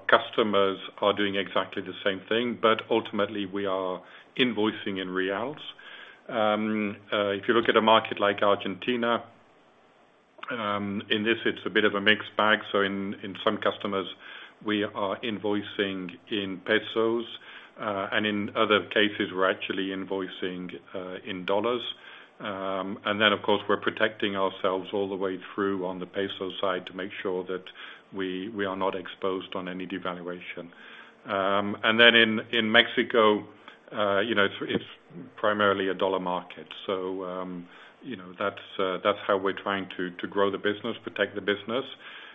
customers are doing exactly the same thing. Ultimately, we are invoicing in BRL. If you look at a market like Argentina, in this, it's a bit of a mixed bag. In some customers, we are invoicing in ARS, and in other cases, we're actually invoicing in USD. Of course, we're protecting ourselves all the way through on the ARS side to make sure that we are not exposed on any devaluation. In mexico it's primarily a USD market. You know, that's how we're trying to grow the business, protect the business.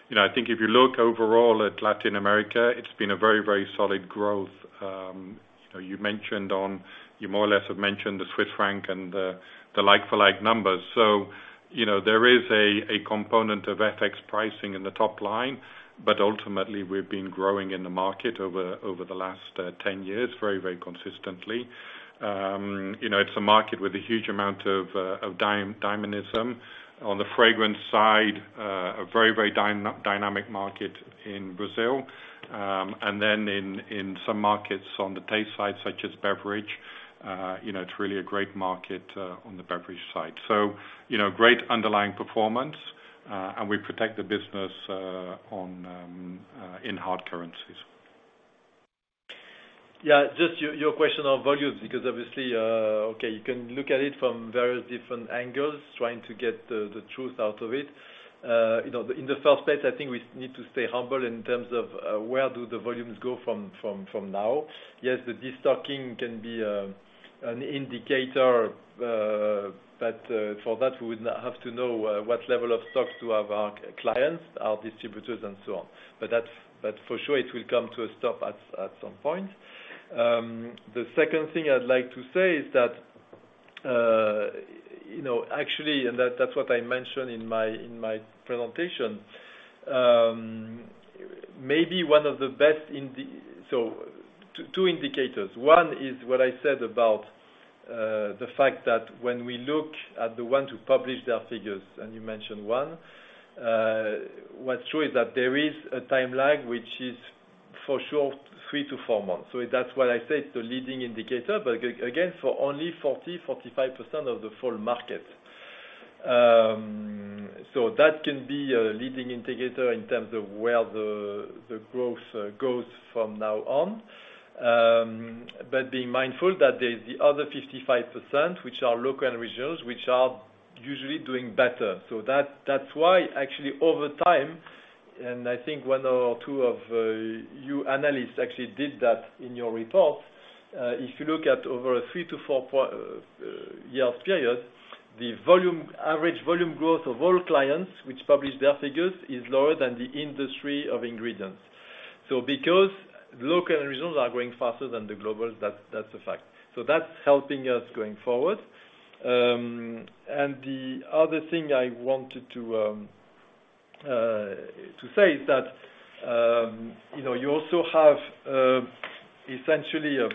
You know, I think if you look overall at Latin America, it's been a very, very solid growth. You know, you more or less have mentioned the CHF and the like-for-like numbers. you know, there is a component of FX pricing in the top line, but ultimately, we've been growing in the market over the last 10 years, very consistently. you know, it's a market with a huge amount of dynamism. On the fragrance side, a very dynamic market in Brazil. In some markets on the taste side, such as beverage it's really a great market on the beverage side. you know, great underlying performance, we protect the business on in hard currencies. Yeah, just your question on volumes, because obviously, okay, you can look at it from various different angles, trying to get the truth out of it. you know, in the first place, I think we need to stay humble in terms of where do the volumes go from now. Yes, the destocking can be an indicator, but for that, we would not have to know what level of stocks do have our clients, our distributors, and so on. For sure, it will come to a stop at some point. The second thing I'd like to say is that actually, that's what I mentioned in my presentation, maybe one of the best two indicators. One is what I said about the fact that when we look at the one who publish their figures, and you mentioned one, what's true is that there is a time lag, which is for sure, 3-4 months. That's what I said, it's a leading indicator, but again, for only 40-45% of the full market. That can be a leading indicator in terms of where the growth goes from now on. Being mindful that there's the other 55%, which are local and regions, which are usually doing better. That's why actually over time, and I think one or two of you analysts actually did that in your report, if you look at over a three to four years period, the volume, average volume growth of all clients which publish their figures is lower than the industry of ingredients. Because local and regions are growing faster than the global, that's a fact. That's helping us going forward. And the other thing I wanted to say is that you also have, essentially, a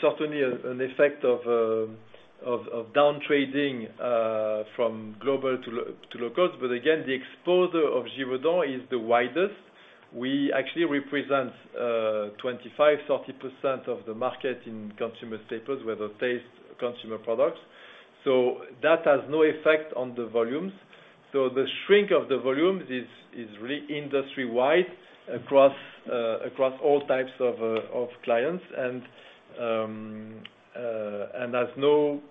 certainly, an effect of down trading from global to locals. Again, the exposure of Givaudan is the widest. We actually represent 25%, 30% of the market in consumer staples, whether taste consumer products. That has no effect on the volumes. The shrink of the volumes is industry-wide across all types of clients, and I mean, has no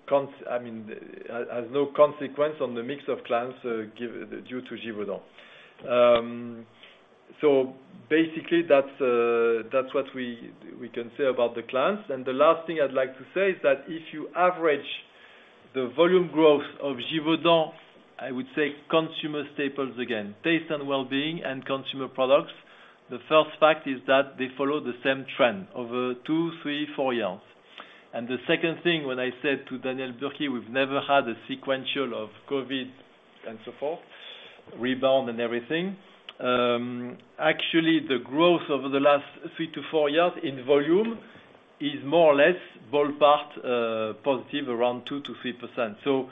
consequence on the mix of clients due to Givaudan. Basically, that's what we can say about the clients. The last thing I'd like to say is that if you average the volume growth of Givaudan, I would say consumer staples, again, Taste & Wellbeing and consumer products, the first fact is that they follow the same trend over two, three, four years. The second thing, when I said to Daniel Bürki, we've never had a sequential of COVID and so forth, rebound and everything, actually, the growth over the last 3-4 years in volume is more or less ballpark, positive around 2%-3%.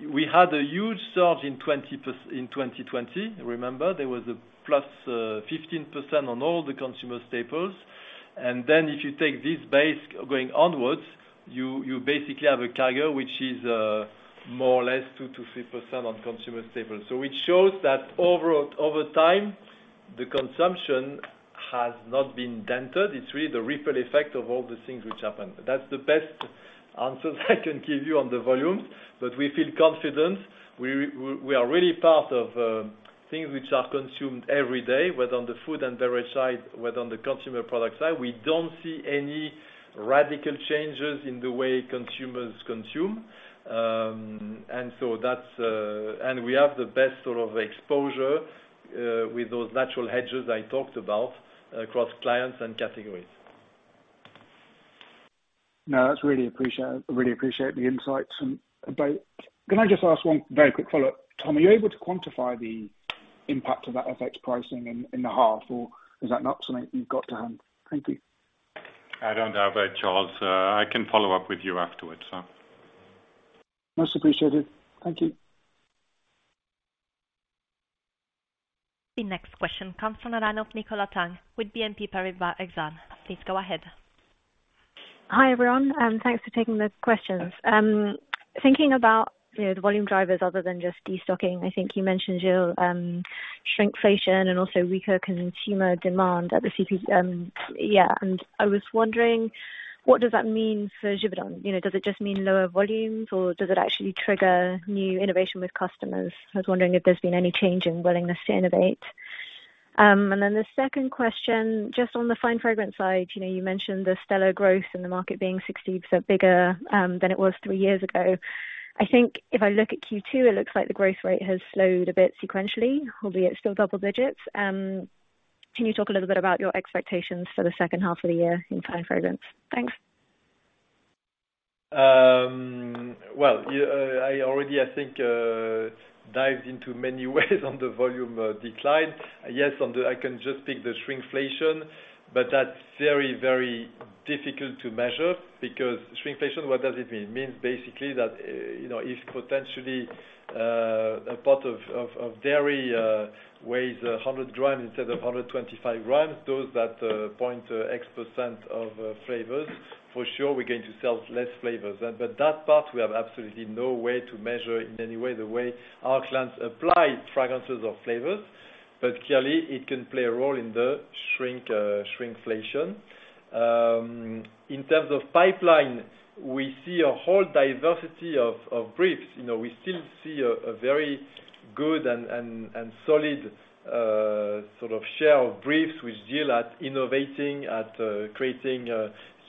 We had a huge surge in 2020. Remember, there was a +15% on all the consumer staples. If you take this base going onwards, you basically have a CAGR, which is more or less 2%-3% on consumer staples. It shows that overall, over time, the consumption has not been dented. It's really the ripple effect of all the things which happened. That's the best answer I can give you on the volume, but we feel confident. We are really part of things which are consumed every day, whether on the food and beverage side, whether on the consumer product side. We don't see any radical changes in the way consumers consume. We have the best sort of exposure with those natural hedges I talked about across clients and categories. No, I really appreciate the insights. Can I just ask one very quick follow-up, Tom? Are you able to quantify the impact of that FX pricing in the half, or is that not something you've got to hand? Thank you. I don't know about Charles, I can follow up with you afterwards, so. Most appreciated. Thank you. The next question comes from the line of Nicola Tang with BNP Paribas Exane. Please go ahead. Hi, everyone, thanks for taking the questions. Thinking about the volume drivers other than just destocking, I think you mentioned, Gilles, shrinkflation and also weaker consumer demand at the CP. I was wondering, what does that mean for Givaudan? You know, does it just mean lower volumes, or does it actually trigger new innovation with customers? I was wondering if there's been any change in willingness to innovate. The second question, just on the fine fragrance side you mentioned the stellar growth and the market being 60% bigger than it was 3 years ago. I think if I look at Q2, it looks like the growth rate has slowed a bit sequentially, albeit still double digits. Can you talk a little bit about your expectations for the second half of the year in fine fragrance? Thanks. Well, yeah, I already, I think, dived into many ways on the volume decline. Yes, I can just pick the shrinkflation, but that's very, very difficult to measure because shrinkflation, what does it mean? It means basically that if potentially a part of dairy weighs 100 grams instead of 125 grams, those that X% of flavors, for sure, we're going to sell less flavors. That part, we have absolutely no way to measure in any way, the way our clients apply fragrances or flavors, but clearly it can play a role in the shrink shrinkflation. In terms of pipeline, we see a whole diversity of briefs. You know, we still see a very good and solid sort of share of briefs, which deal at innovating, at creating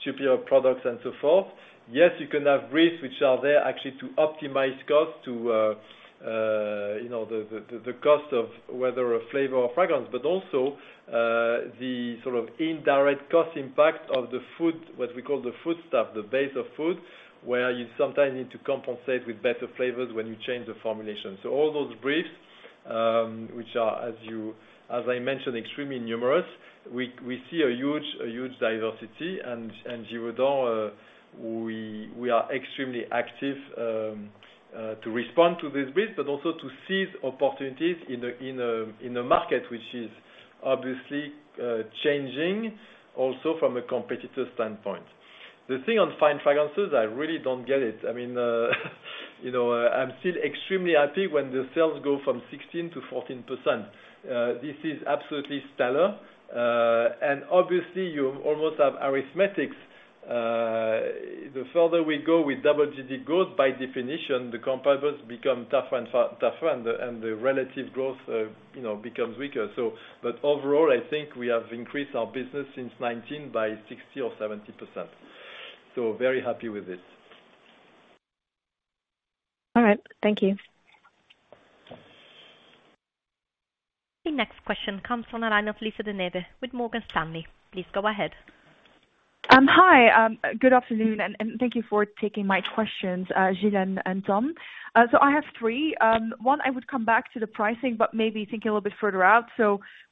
superior products and so forth. Yes, you can have briefs which are there actually to optimize costs to the cost of whether a flavor or fragrance, but also the sort of indirect cost impact of the food, what we call the food stuff, the base of food, where you sometimes need to compensate with better flavors when you change the formulation. All those briefs, which are, as you, as I mentioned, extremely numerous, we see a huge diversity, and Givaudan, we are extremely active to respond to this brief, but also to seize opportunities in the market, which is obviously changing also from a competitor standpoint. The thing on fine fragrances, I really don't get it. I mean I'm still extremely happy when the sales go from 16% to 14%. This is absolutely stellar, and obviously, you almost have arithmetics. The further we go with double digit growth, by definition, the comparables become tougher and tougher, and the relative growth becomes weaker. Overall, I think we have increased our business since 2019 by 60% or 70%. Very happy with this. All right. Thank you. The next question comes from the line of Lisa De Neve with Morgan Stanley. Please go ahead. Hi, good afternoon, and thank you for taking my questions, Gilles and Tom. I have 3. One, I would come back to the pricing, maybe think a little bit further out.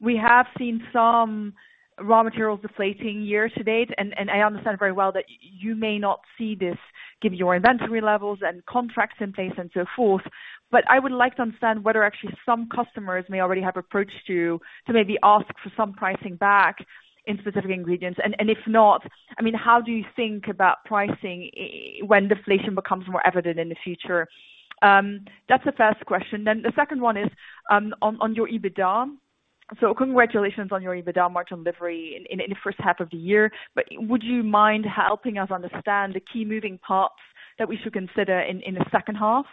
We have seen some raw materials deflating year to date, and I understand very well that you may not see this, given your inventory levels and contracts in place and so forth. I would like to understand whether actually some customers may already have approached you to maybe ask for some pricing back in specific ingredients. If not, I mean, how do you think about pricing when deflation becomes more evident in the future? That's the first question. The second one is on your EBITDA. Congratulations on your EBITDA margin delivery in the first half of the year, but would you mind helping us understand the key moving parts that we should consider in the second half,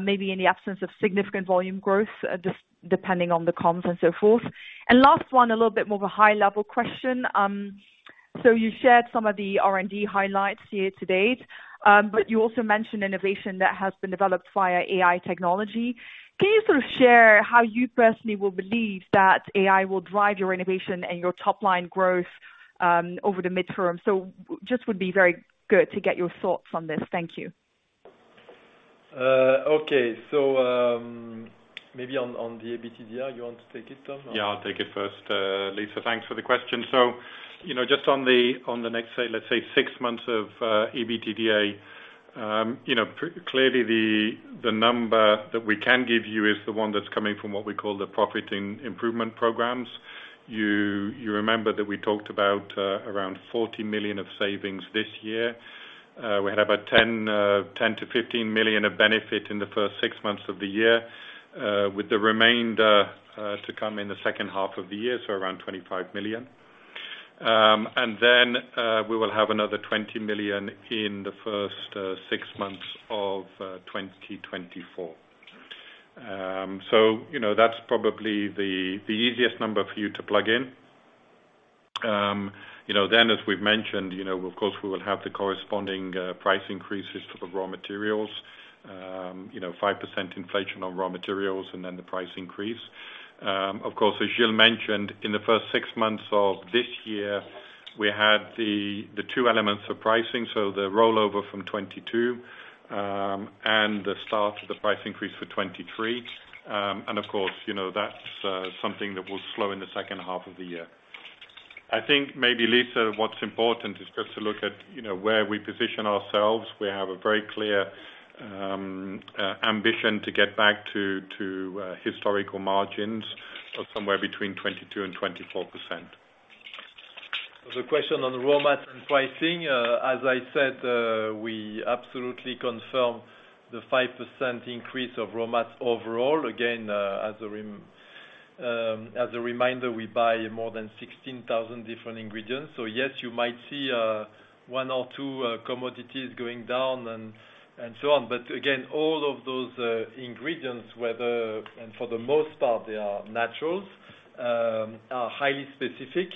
maybe in the absence of significant volume growth, just depending on the comms and so forth? Last one, a little bit more of a high-level question. So you shared some of the R&D highlights year to date, but you also mentioned innovation that has been developed via AI technology. Can you sort of share how you personally will believe that AI will drive your innovation and your top-line growth, over the midterm? Just would be very good to get your thoughts on this. Thank you. Okay. maybe on the EBITDA, you want to take it, Tom? Yeah, I'll take it first, Lisa, thanks for the question. You know, just on the next, say, let's say, 6 months of ebitda clearly the number that we can give you is the one that's coming from what we call the profit improvement programs. You remember that we talked about around 40 million of savings this year. We had about 10-15 million of benefit in the first 6 months of the year, with the remainder to come in the second half of the year, so around 25 million. And then we will have another 20 million in the first 6 months of 2024. You know, that's probably the easiest number for you to plug in. You know, then, as we've mentioned of course, we will have the corresponding price increases to the raw materials. You know, 5% inflation on raw materials, and then the price increase. Of course, as Gilles mentioned, in the first 6 months of this year, we had the two elements of pricing, so the rollover from 2022, and the start of the price increase for 2023. Of course that's something that will slow in the second half of the year. I think maybe, Lisa, what's important is just to look at where we position ourselves. We have a very clear ambition to get back to historical margins of somewhere between 22%-24%. The question on raw mat and pricing, as I said, we absolutely confirm the 5% increase of raw mats overall. Again, as a reminder, we buy more than 16,000 different ingredients. Yes, you might see 1 or 2 commodities going down and so on. Again, all of those ingredients, whether... and for the most part, they are naturals, are highly specific.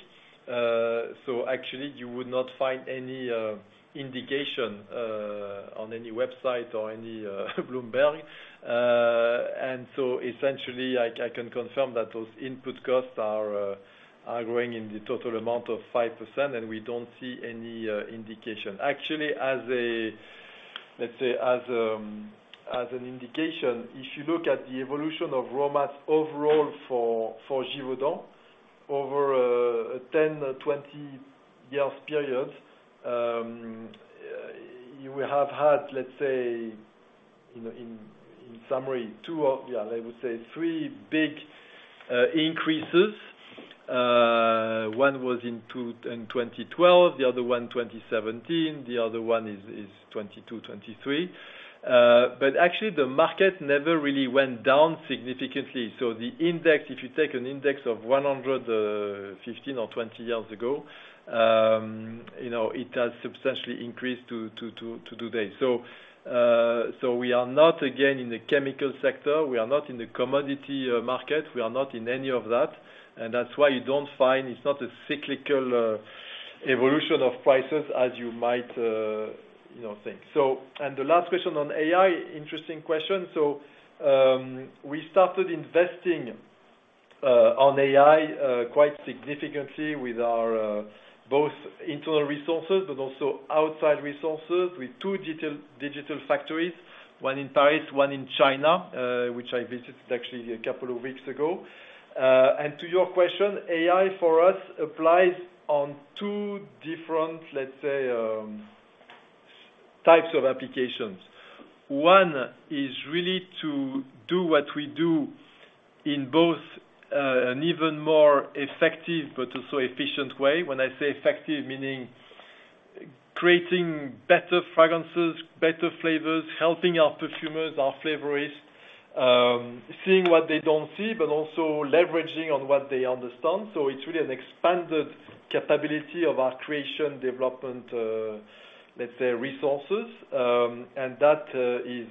Actually, you would not find any indication on any website or any Bloomberg. Essentially, I can confirm that those input costs are growing in the total amount of 5%, and we don't see any indication. Actually, as an indication, if you look at the evolution of raw mats overall for Givaudan over a 10, 20 years period, you will have had, let's say in summary, 2 or, yeah, I would say 3 big increases. One was in 2012, the other one 2017, the other one is 2022, 2023. Actually, the market never really went down significantly. The index, if you take an index of 100, 15 or 20 years ago it has substantially increased to today. We are not, again, in the chemical sector. We are not in the commodity market. We are not in any of that. That's why you don't find, it's not a cyclical evolution of prices as you might think. The last question on AI, interesting question. We started investing on AI quite significantly with our both internal resources, but also outside resources, with 2 digital factories, 1 in Paris, 1 in China, which I visited actually a couple of weeks ago. To your question, AI for us applies on 2 different, let's say, types of applications. 1 is really to do what we do in both an even more effective, but also efficient way. When I say effective, meaning creating better fragrances, better flavors, helping our perfumers, our flavorists, seeing what they don't see, but also leveraging on what they understand. It's really an expanded capability of our creation development, let's say, resources. That is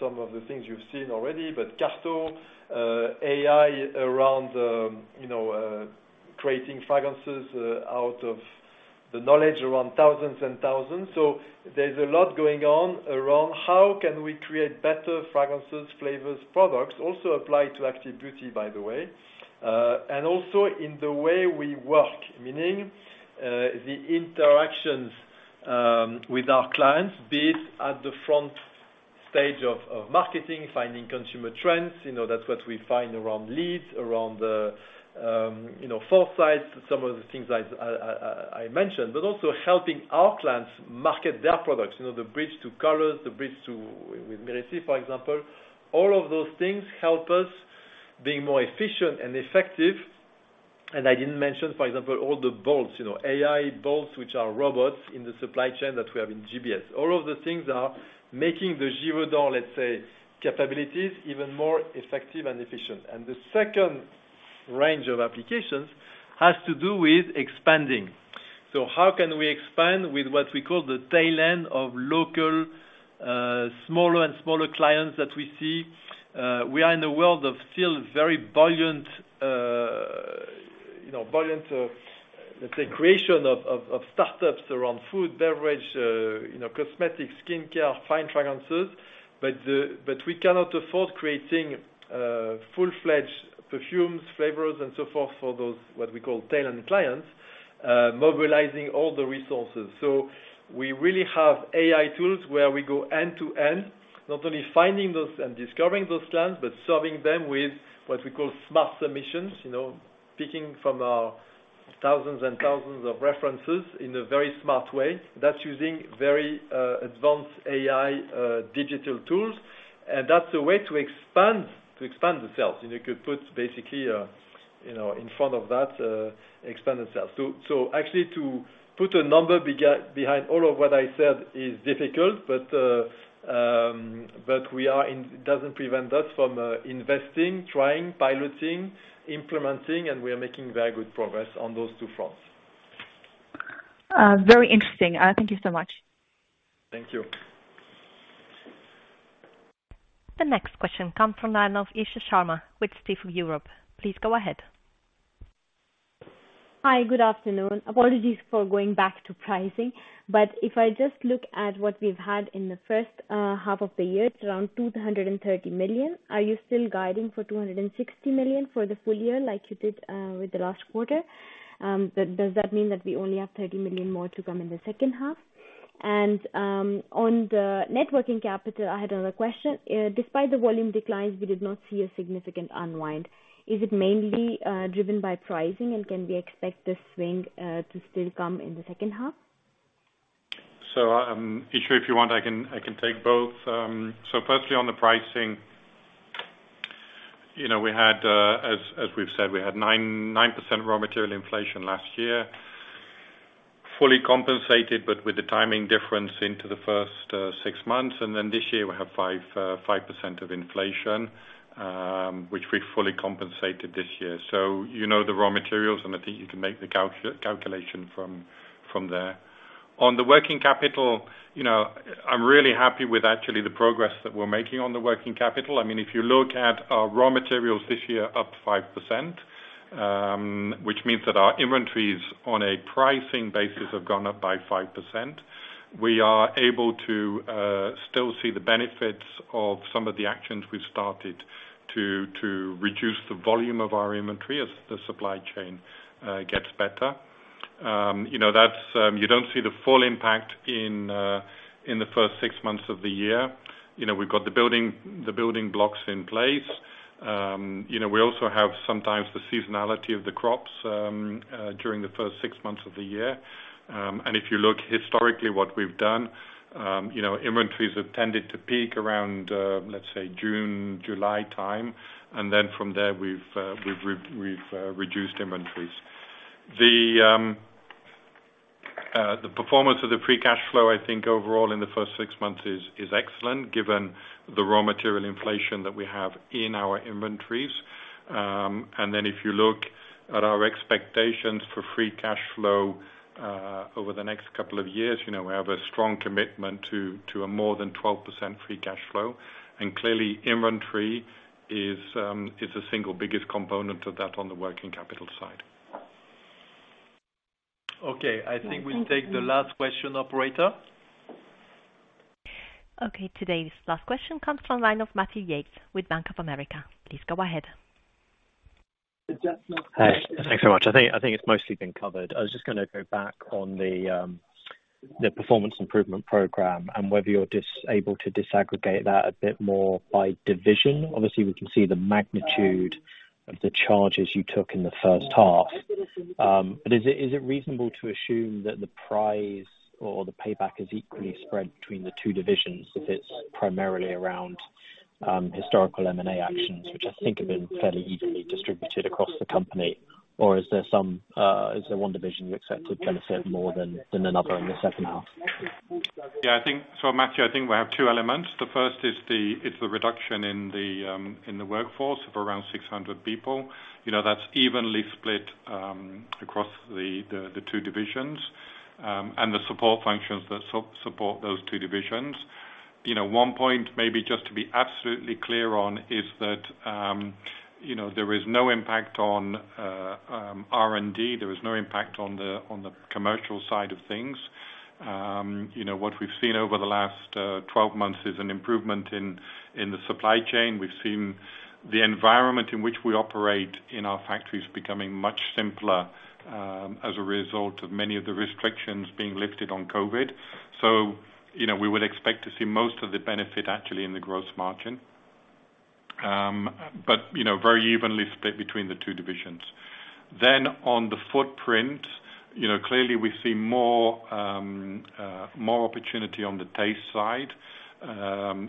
some of the things you've seen already. Carto, AI around creating fragrances, out of the knowledge around thousands and thousands. There's a lot going on around how can we create better fragrances, flavors, products, also apply to active beauty, by the way. Also in the way we work, meaning, the interactions with our clients, be it at the front stage of marketing, finding consumer trends that's what we find around leads, around the foresight, some of the things I mentioned. Also helping our clients market their products the bridge to colors, the bridge to, with Myrissi, for example. All of those things help us being more efficient and effective. I didn't mention, for example, all the bots AI bots, which are robots in the supply chain that we have in GBS. All of the things are making the Givaudan, let's say, capabilities even more effective and efficient. The second range of applications has to do with expanding. How can we expand with what we call the tail end of local, smaller and smaller clients that we see? We are in a world of still very buoyant buoyant, let's say, creation of startups around food, beverage cosmetics, skincare, fine fragrances. But we cannot afford creating full-fledged perfumes, flavors, and so forth for those, what we call tail end clients, mobilizing all the resources. We really have AI tools where we go end-to-end, not only finding those and discovering those clients, but serving them with what we call smart submissions picking from thousands and thousands of references in a very smart way. That's using very advanced AI digital tools, and that's a way to expand the sales. You could put basically in front of that, expand the sales. Actually, to put a number behind all of what I said is difficult, but we are doesn't prevent us from investing, trying, piloting, implementing, and we are making very good progress on those two fronts.... very interesting. Thank you so much. Thank you. The next question comes from the line of Isha Sharma with Stifel Europe. Please go ahead. Hi, good afternoon. Apologies for going back to pricing, if I just look at what we've had in the first half of the year, it's around 230 million. Are you still guiding for 260 million for the full year, like you did with the last quarter? Does that mean that we only have 30 million more to come in the second half? On the working capital, I had another question. Despite the volume declines, we did not see a significant unwind. Is it mainly driven by pricing, and can we expect this swing to still come in the second half? Isha, if you want, I can take both. Firstly, on the pricing we had, as we've said, we had 9% raw material inflation last year, fully compensated, but with the timing difference into the first 6 months, and then this year we have 5% of inflation, which we fully compensated this year. You know the raw materials, and I think you can make the calculation from there. On the working capital I'm really happy with actually the progress that we're making on the working capital. I mean, if you look at our raw materials this year, up 5%, which means that our inventories on a pricing basis have gone up by 5%. We are able to still see the benefits of some of the actions we've started to reduce the volume of our inventory as the supply chain gets better. You know, that's, you don't see the full impact in the first six months of the year. You know, we've got the building blocks in place. You know, we also have sometimes the seasonality of the crops during the first six months of the year. If you look historically what we've done inventories have tended to peak around, let's say, June, July time, and then from there, we've reduced inventories. The performance of the free cash flow, I think, overall in the first six months is excellent, given the raw material inflation that we have in our inventories. If you look at our expectations for free cash flow over the next couple of years we have a strong commitment to a more than 12% free cash flow, clearly, inventory is the single biggest component of that on the working capital side. Okay. I think we take the last question, Operator. Okay. Today, this last question comes from line of Matthew Yates with Bank of America. Please go ahead. Hi. Thanks so much. I think it's mostly been covered. I was just gonna go back on the performance improvement program and whether you're able to disaggregate that a bit more by division. Obviously, we can see the magnitude of the charges you took in the first half. Is it reasonable to assume that the price or the payback is equally spread between the two divisions, if it's primarily around historical M&A actions, which I think have been fairly evenly distributed across the company? Is there one division you accept to benefit more than another in the second half? Matthew, I think we have two elements. The first is the reduction in the workforce of around 600 people. You know, that's evenly split across the two divisions, and the support functions that support those two divisions. You know, one point maybe just to be absolutely clear on is that there is no impact on R&D. There is no impact on the commercial side of things. You know, what we've seen over the last 12 months is an improvement in the supply chain. We've seen the environment in which we operate in our factories becoming much simpler, as a result of many of the restrictions being lifted on COVID. You know, we would expect to see most of the benefit actually in the gross margin. You know, very evenly split between the two divisions. On the footprint clearly we see more opportunity on the taste side.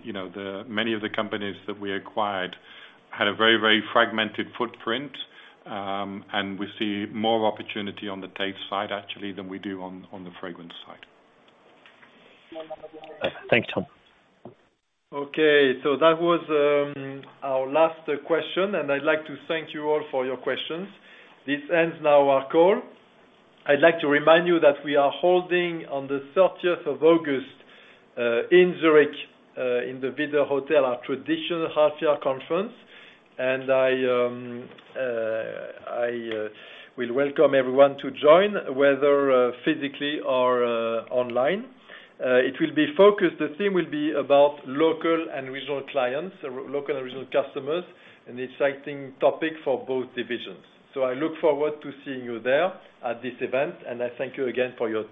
You know, the, many of the companies that we acquired had a very, very fragmented footprint, and we see more opportunity on the taste side, actually, than we do on the fragrance side. Thanks, Tom. That was our last question, and I'd like to thank you all for your questions. This ends now our call. I'd like to remind you that we are holding on the 30th of August in Zurich, in the Widder Hotel, our traditional half year conference, and I will welcome everyone to join, whether physically or online. It will be focused, the theme will be about local and regional clients, local and regional customers, an exciting topic for both divisions. I look forward to seeing you there at this event, and I thank you again for your time.